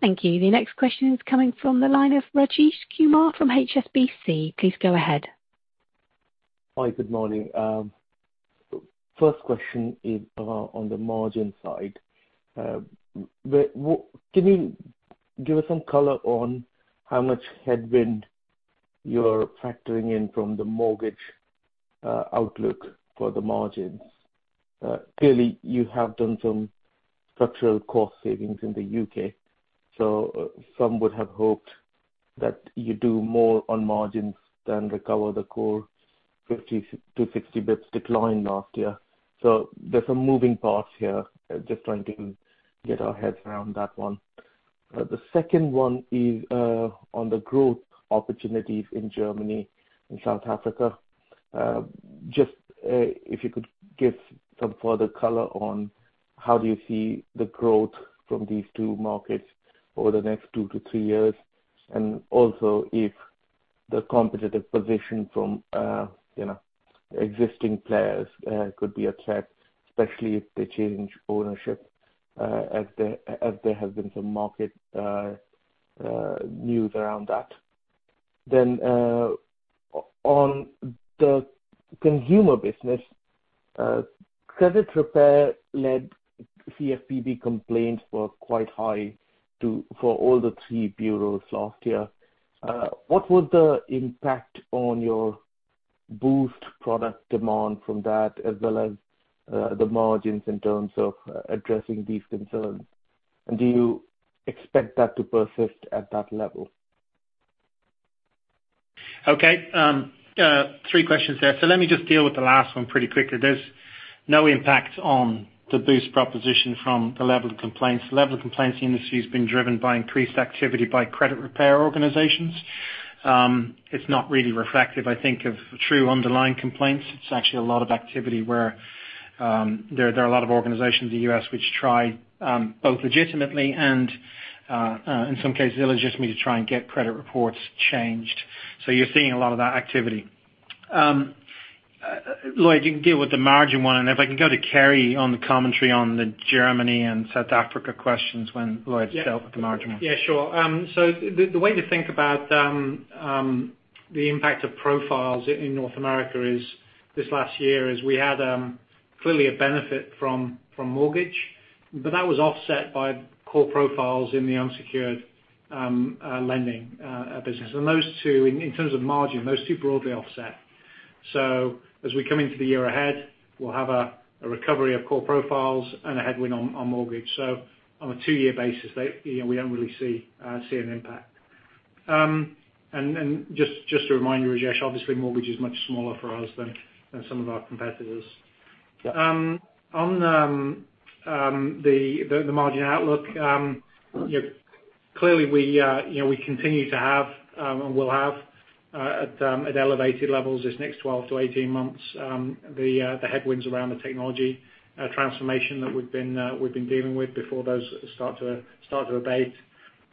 Thank you. The next question is coming from the line of Rajesh Kumar from HSBC. Please go ahead. Hi, good morning. First question is on the margin side. Can you give us some color on how much headwind you're factoring in from the mortgage outlook for the margins? Clearly, you have done some structural cost savings in the U.K., so some would have hoped that you do more on margins than recover the core 50-60 basis points decline last year. There's a moving part here, just trying to get our heads around that one. The second one is on the growth opportunities in Germany and South Africa. Just if you could give some further color on how do you see the growth from these two markets over the next two to three years, and also if the competitive position from existing players could be a threat, especially if they change ownership as there has been some market news around that. On the consumer business, credit repair-led CFPB complaints were quite high for all the three bureaus last year. What was the impact on your Boost product demand from that, as well as the margins in terms of addressing these concerns? Do you expect that to persist at that level? Okay. Three questions there. Let me just deal with the last one pretty quickly. There's no impact on the Boost proposition from the level of complaints. The level of complaints in the industry has been driven by increased activity by credit repair organizations. It's not really reflective, I think, of the true underlying complaints. It's actually a lot of activity where there are a lot of organizations in the U.S. which try both legitimately and in some cases illegitimately try and get credit reports changed. You're seeing a lot of that activity. Lloyd, you can deal with the margin one, and if I can go to Kerry on the commentary on the Germany and South Africa questions when Lloyd's dealt with the margin one. Yeah, sure. The way to think about the impact of profiles in North America this last year is we had clearly a benefit from mortgage. That was offset by core profiles in the unsecured lending business. Those two, in terms of margin, those two broadly offset. As we come into the year ahead, we'll have a recovery of core profiles and a headwind on mortgage. On a two-year basis, we don't really see an impact. Just to remind you, Rajesh, obviously mortgage is much smaller for us than some of our competitors. Yeah. On the margin outlook, clearly we continue to have, and will have at elevated levels this next 12 to 18 months, the headwinds around the technology transformation that we've been dealing with before those start to abate.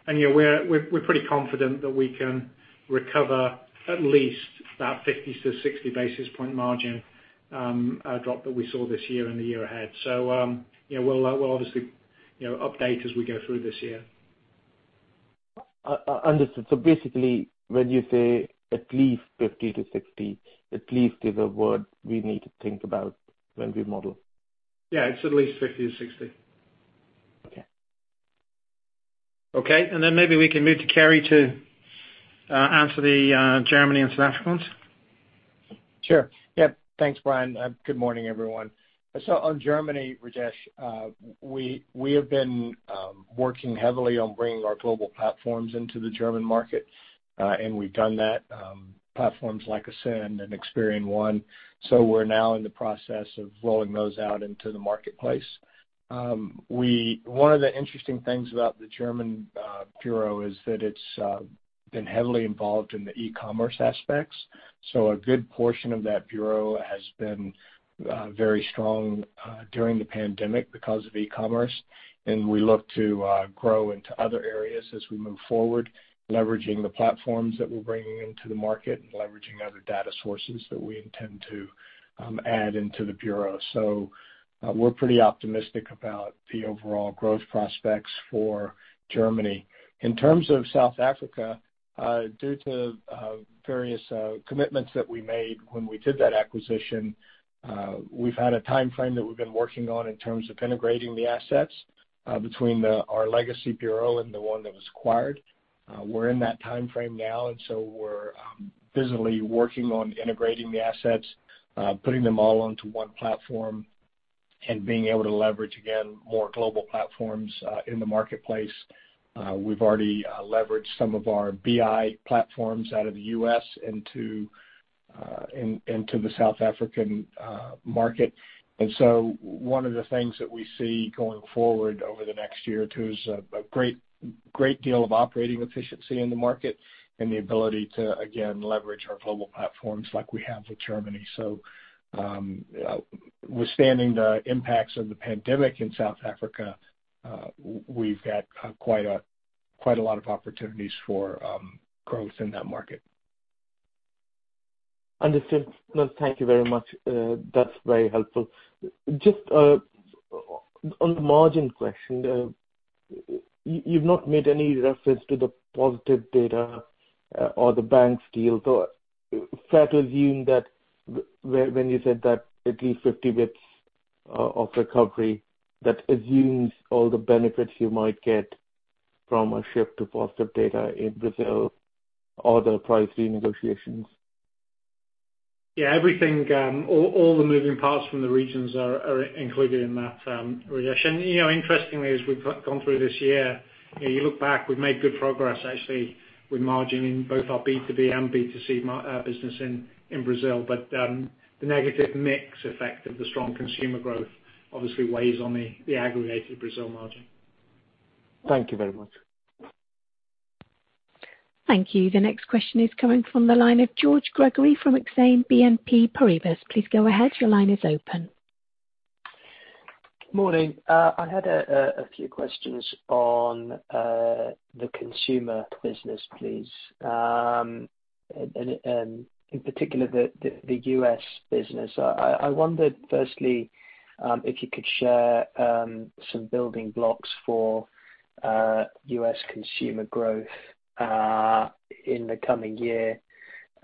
Yeah, we're pretty confident that we can recover at least that 50 to 60 basis point margin drop that we saw this year and the year ahead. We'll obviously update as we go through this year. Understood. Basically, when you say at least 50 to 60, at least is a word we need to think about when we model. Yeah, it's at least 50 to 60. Okay. Okay. Maybe we can move to Kerry to answer the Germany and South Africa ones. Sure. Yeah, thanks, Brian. Good morning, everyone. On Germany, Rajesh, we have been working heavily on bringing our global platforms into the German market, and we've done that. Platforms like Ascend and Experian One. We're now in the process of rolling those out into the marketplace. One of the interesting things about the German bureau is that it's been heavily involved in the e-commerce aspects. A good portion of that bureau has been very strong during the pandemic because of e-commerce, and we look to grow into other areas as we move forward, leveraging the platforms that we're bringing into the market and leveraging other data sources that we intend to add into the bureau. We're pretty optimistic about the overall growth prospects for Germany. In terms of South Africa, due to various commitments that we made when we did that acquisition, we've had a timeframe that we've been working on in terms of integrating the assets between our legacy bureau and the one that was acquired. We're in that timeframe now, and so we're busily working on integrating the assets, putting them all onto one platform, and being able to leverage, again, more global platforms in the marketplace. We've already leveraged some of our BI platforms out of the U.S. into the South African market. One of the things that we see going forward over the next year or two is a great deal of operating efficiency in the market and the ability to, again, leverage our global platforms like we have with Germany. Withstanding the impacts of the pandemic in South Africa, we've had quite a lot of opportunities for growth in that market. Understood. Thank you very much. That's very helpful. Just on the margin question, you've not made any reference to the positive data or the banks deal. Fair to assume that when you said that at least 50 basis points of recovery, that assumes all the benefits you might get from a shift to positive data in Brazil or the pricing negotiations? Yeah, all the moving parts from the regions are included in that, Rajesh. Interestingly, as we've gone through this year, you look back, we've made good progress, actually, with margin in both our B2B and B2C business in Brazil. The negative mix effect of the strong consumer growth obviously weighs on the aggregated Brazil margin. Thank you very much. Thank you. The next question is coming from the line of George Gregory from Exane BNP Paribas. Please go ahead. Your line is open. Morning. I had a few questions on the consumer business, please. In particular, the U.S. business. I wondered, firstly, if you could share some building blocks for U.S. consumer growth in the coming year.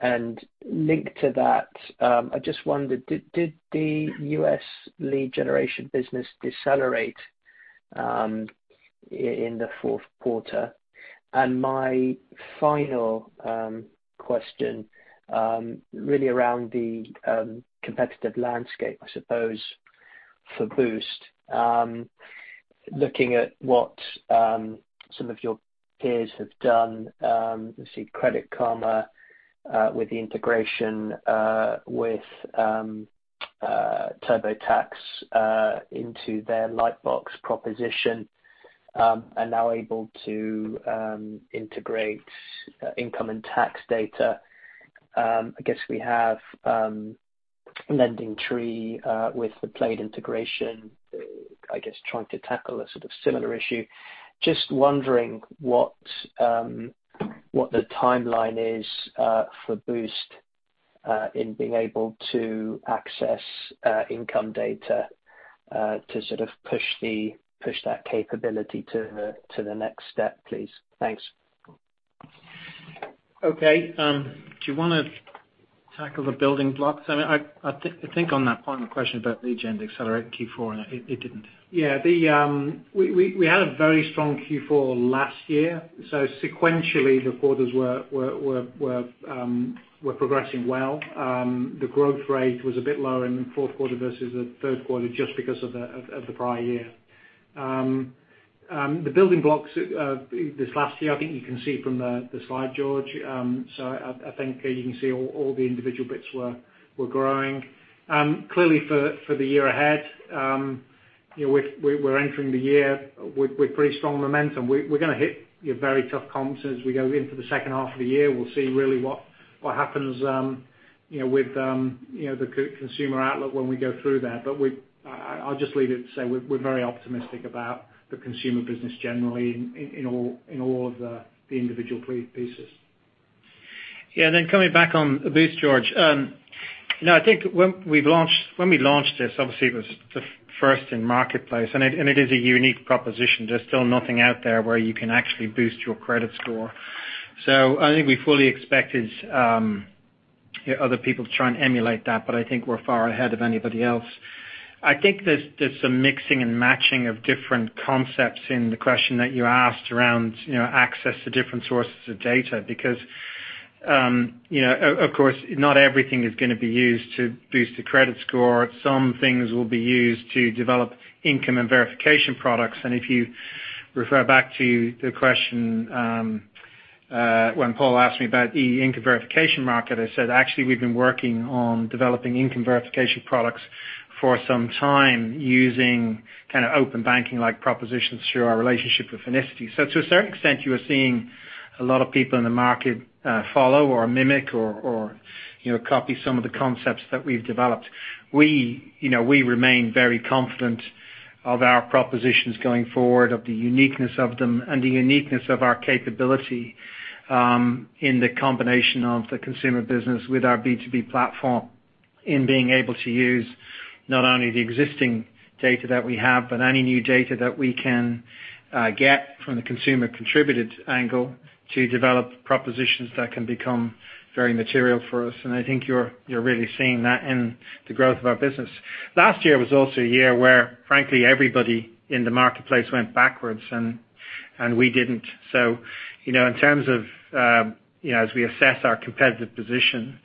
Linked to that, I just wondered, did the U.S. lead generation business decelerate in the fourth quarter? My final question, really around the competitive landscape, I suppose, for Boost. Looking at what some of your peers have done, obviously Credit Karma with the integration with TurboTax into their Lightbox proposition are now able to integrate income and tax data. I guess we have LendingTree with the Plaid integration, I guess trying to tackle a sort of similar issue. Just wondering what the timeline is for Boost in being able to access income data to push that capability to the next step, please. Thanks. Okay. Do you want to tackle the building blocks? I think on that point, the question about the agenda accelerated Q4 and it didn't. We had a very strong Q4 last year. Sequentially, the quarters were progressing well. The growth rate was a bit lower in the fourth quarter versus the third quarter just because of the prior year. The building blocks this last year, I think you can see from the slide, George. I think you can see all the individual bits were growing. Clearly for the year ahead, we're entering the year with pretty strong momentum. We're going to hit very tough comps as we go into the second half of the year. We'll see really what happens with the consumer outlook when we go through there. I'll just leave it to say we're very optimistic about the consumer business generally in all of the individual pieces. Yeah. Coming back on Boost, George. I think when we launched this, obviously, it was the first in the marketplace, and it is a unique proposition. There's still nothing out there where you can actually boost your credit score. I think we fully expected other people to try and emulate that, but I think we're far ahead of anybody else. I think there's some mixing and matching of different concepts in the question that you asked around access to different sources of data, because, of course, not everything is going to be used to boost the credit score. Some things will be used to develop income and verification products. If you refer back to the question when Paul Sullivan asked me about the income verification market, I said, actually, we've been working on developing income verification products for some time using open banking propositions through our relationship with Finicity. To a certain extent, you're seeing a lot of people in the market follow or mimic or copy some of the concepts that we've developed. We remain very confident of our propositions going forward, of the uniqueness of them, and the uniqueness of our capability in the combination of the consumer business with our B2B platform in being able to use not only the existing data that we have, but any new data that we can get from the consumer contributed angle to develop propositions that can become very material for us. I think you're really seeing that in the growth of our business. Last year was also a year where, frankly, everybody in the marketplace went backwards and we didn't. In terms of as we assess our competitive position,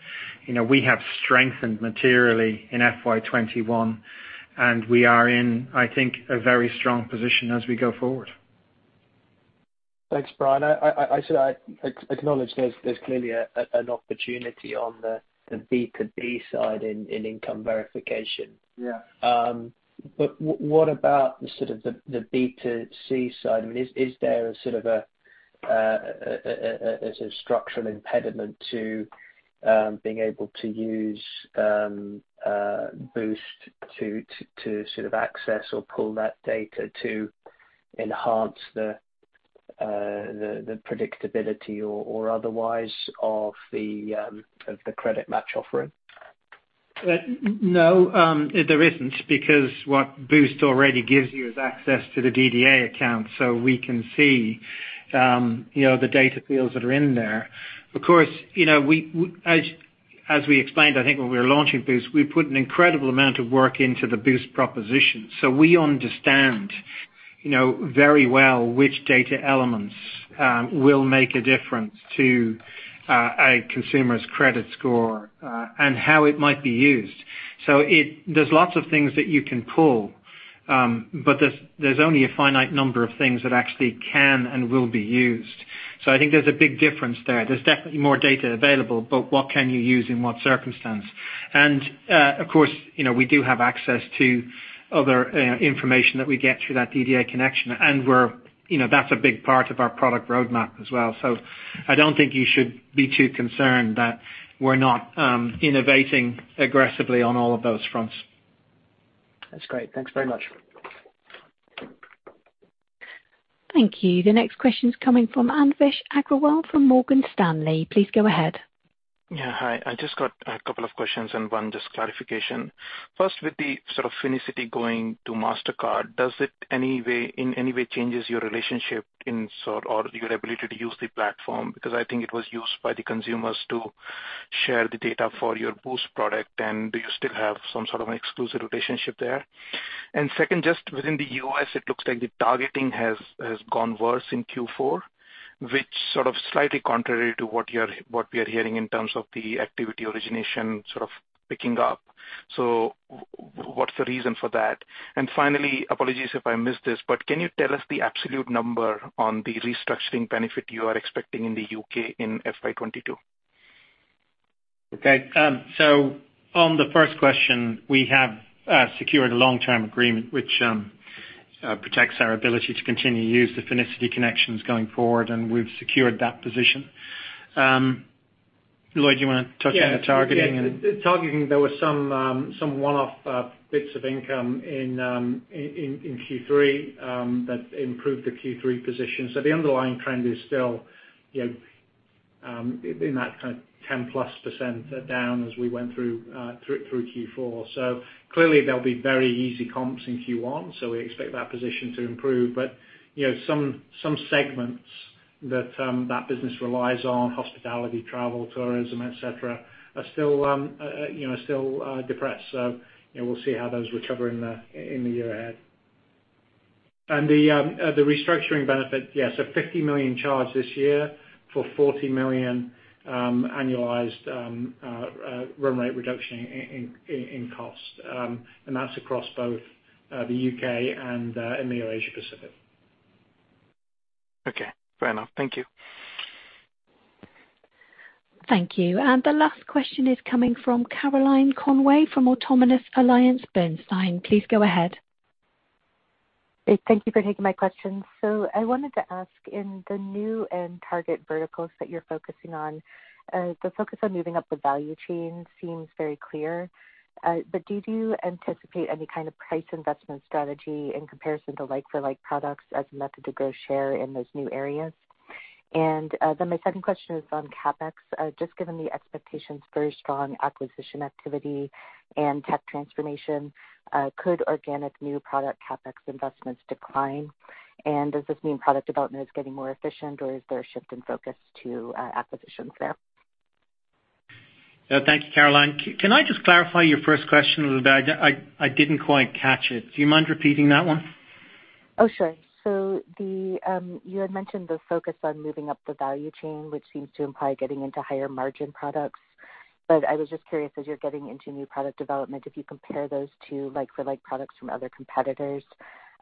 we have strengthened materially in FY 2021, and we are in, I think, a very strong position as we go forward. Thanks, Brian. I acknowledge there's clearly an opportunity on the B2B side in income verification. Yeah. What about the B2C side? Is there a structural impediment to being able to use Boost to access or pull that data to enhance the predictability or otherwise of the credit match offering? No, there isn't, because what Boost already gives you is access to the DDA account, so we can see the data fields that are in there. Of course, as we explained, I think when we were launching Boost, we put an incredible amount of work into the Boost proposition. We understand very well which data elements will make a difference to a consumer's credit score and how it might be used. There's lots of things that you can pull, but there's only a finite number of things that actually can and will be used. I think there's a big difference there. There's definitely more data available, but what can you use in what circumstance? Of course, we do have access to other information that we get through that DDA connection. That's a big part of our product roadmap as well. I don't think you should be too concerned that we're not innovating aggressively on all of those fronts. That's great. Thanks very much. Thank you. The next question is coming from Anvesh Agrawal from Morgan Stanley. Please go ahead. Yeah, hi. I just got a couple of questions and one just clarification. First, with the Finicity going to Mastercard, does it in any way changes your relationship or your ability to use the platform? Because I think it was used by the consumers to share the data for your Boost product. Do you still have some sort of exclusive relationship there? Second, just within the U.S., it looks like the targeting has gone worse in Q4, which sort of slightly contrary to what we are hearing in terms of the activity origination sort of picking up. What's the reason for that? Finally, apologies if I missed this, but can you tell us the absolute number on the restructuring benefit you are expecting in the U.K. in FY 2022? Okay. On the first question, we have secured a long-term agreement which protects our ability to continue to use the Finicity connections going forward, and we've secured that position. George, you want to touch on the targeting and- Yeah. The targeting, there were some one-off bits of income in Q3 that improved the Q3 position. The underlying trend is still in that kind of 10+ % down as we went through Q4. Clearly, there'll be very easy comps in Q1, so we expect that position to improve. Some segments That business relies on hospitality, travel, tourism, et cetera, are still depressed. We'll see how those recover in the year ahead. The restructuring benefit, yes, a 50 million charge this year for 40 million annualized run rate reduction in cost. That's across both the U.K. and in the Asia Pacific. Okay, fair enough. Thank you. Thank you. The last question is coming from Caroline Conway from Autonomous Research. Please go ahead. Thank you for taking my question. I wanted to ask in the new end target verticals that you're focusing on, the focus on moving up the value chain seems very clear. Do you anticipate any kind of price investment strategy in comparison to like-for-like products as a method to grow share in those new areas? My second question is on CapEx. Just given the expectations for strong acquisition activity and tech transformation, could organic new product CapEx investments decline? Does this mean product development is getting more efficient or is there a shift in focus to acquisition sales? Thanks, Caroline. Can I just clarify your first question a little bit? I didn't quite catch it. Do you mind repeating that one? Sure. You had mentioned the focus on moving up the value chain, which seems to imply getting into higher margin products. I was just curious, as you're getting into new product development, if you compare those to like-for-like products from other competitors,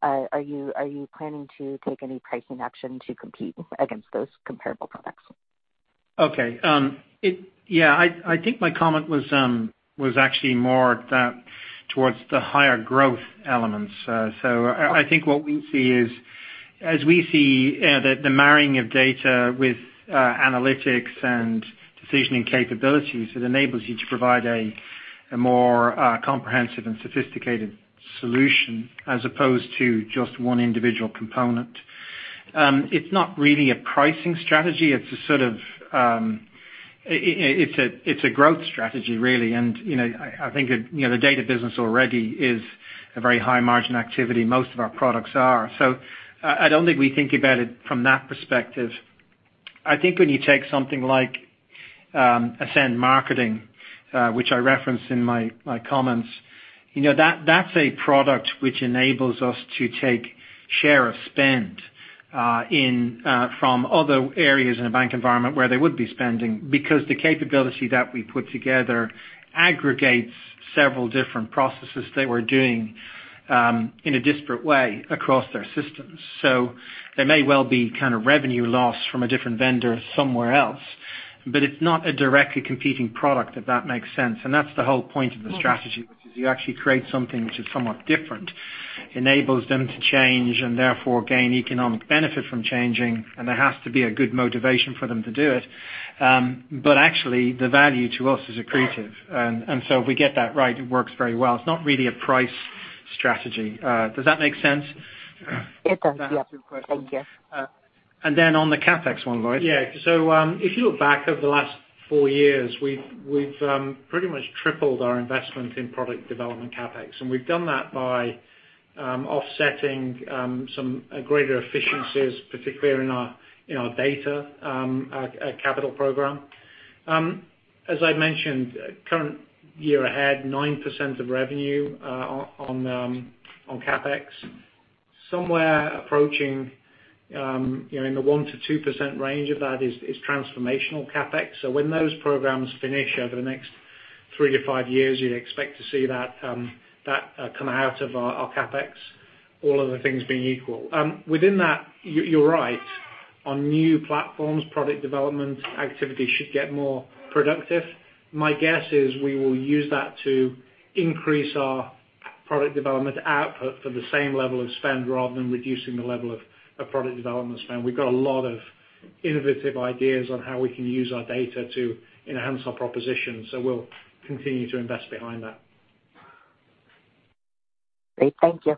are you planning to take any pricing action to compete against those comparable products? Okay. I think my comment was actually more towards the higher growth elements. I think what we see is, as we see the marrying of data with analytics and decisioning capabilities, it enables you to provide a more comprehensive and sophisticated solution as opposed to just one individual component. It's not really a pricing strategy. It's a growth strategy, really. I think the data business already is a very high margin activity. Most of our products are. I don't think we think about it from that perspective. I think when you take something like Ascend Marketing, which I referenced in my comments, that's a product which enables us to take share of spend from other areas in a bank environment where they would be spending, because the capability that we put together aggregates several different processes they were doing in a disparate way across their systems. There may well be revenue loss from a different vendor somewhere else, but it's not a directly competing product, if that makes sense. That's the whole point of the strategy, which is you actually create something which is somewhat different, enables them to change and therefore gain economic benefit from changing, and there has to be a good motivation for them to do it. Actually, the value to us is accretive. If we get that right, it works very well. It's not really a price strategy. Does that make sense? It does, yes. On the CapEx one- Yeah. If you look back over the last four years, we've pretty much tripled our investment in product development CapEx. We've done that by offsetting some greater efficiencies, particularly in our data capital program. As I mentioned, current year ahead, 9% of revenue on CapEx. Somewhere approaching in the 1%-2% range of that is transformational CapEx. When those programs finish over the next 3-5 years, you'd expect to see that come out of our CapEx, all other things being equal. Within that, you're right. On new platforms, product development activity should get more productive. My guess is we will use that to increase our product development output for the same level of spend rather than reducing the level of product development spend. We've got a lot of innovative ideas on how we can use our data to enhance our proposition. We'll continue to invest behind that. Great. Thank you.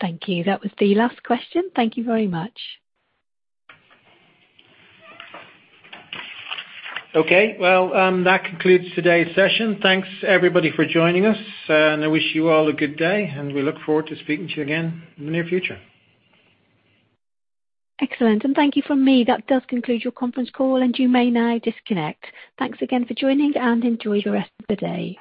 Thank you. That was the last question. Thank you very much. Okay. Well, that concludes today's session. Thanks everybody for joining us, and I wish you all a good day, and we look forward to speaking to you again in the near future. Excellent. Thank you from me. That does conclude your conference call, and you may now disconnect. Thanks again for joining, and enjoy the rest of the day.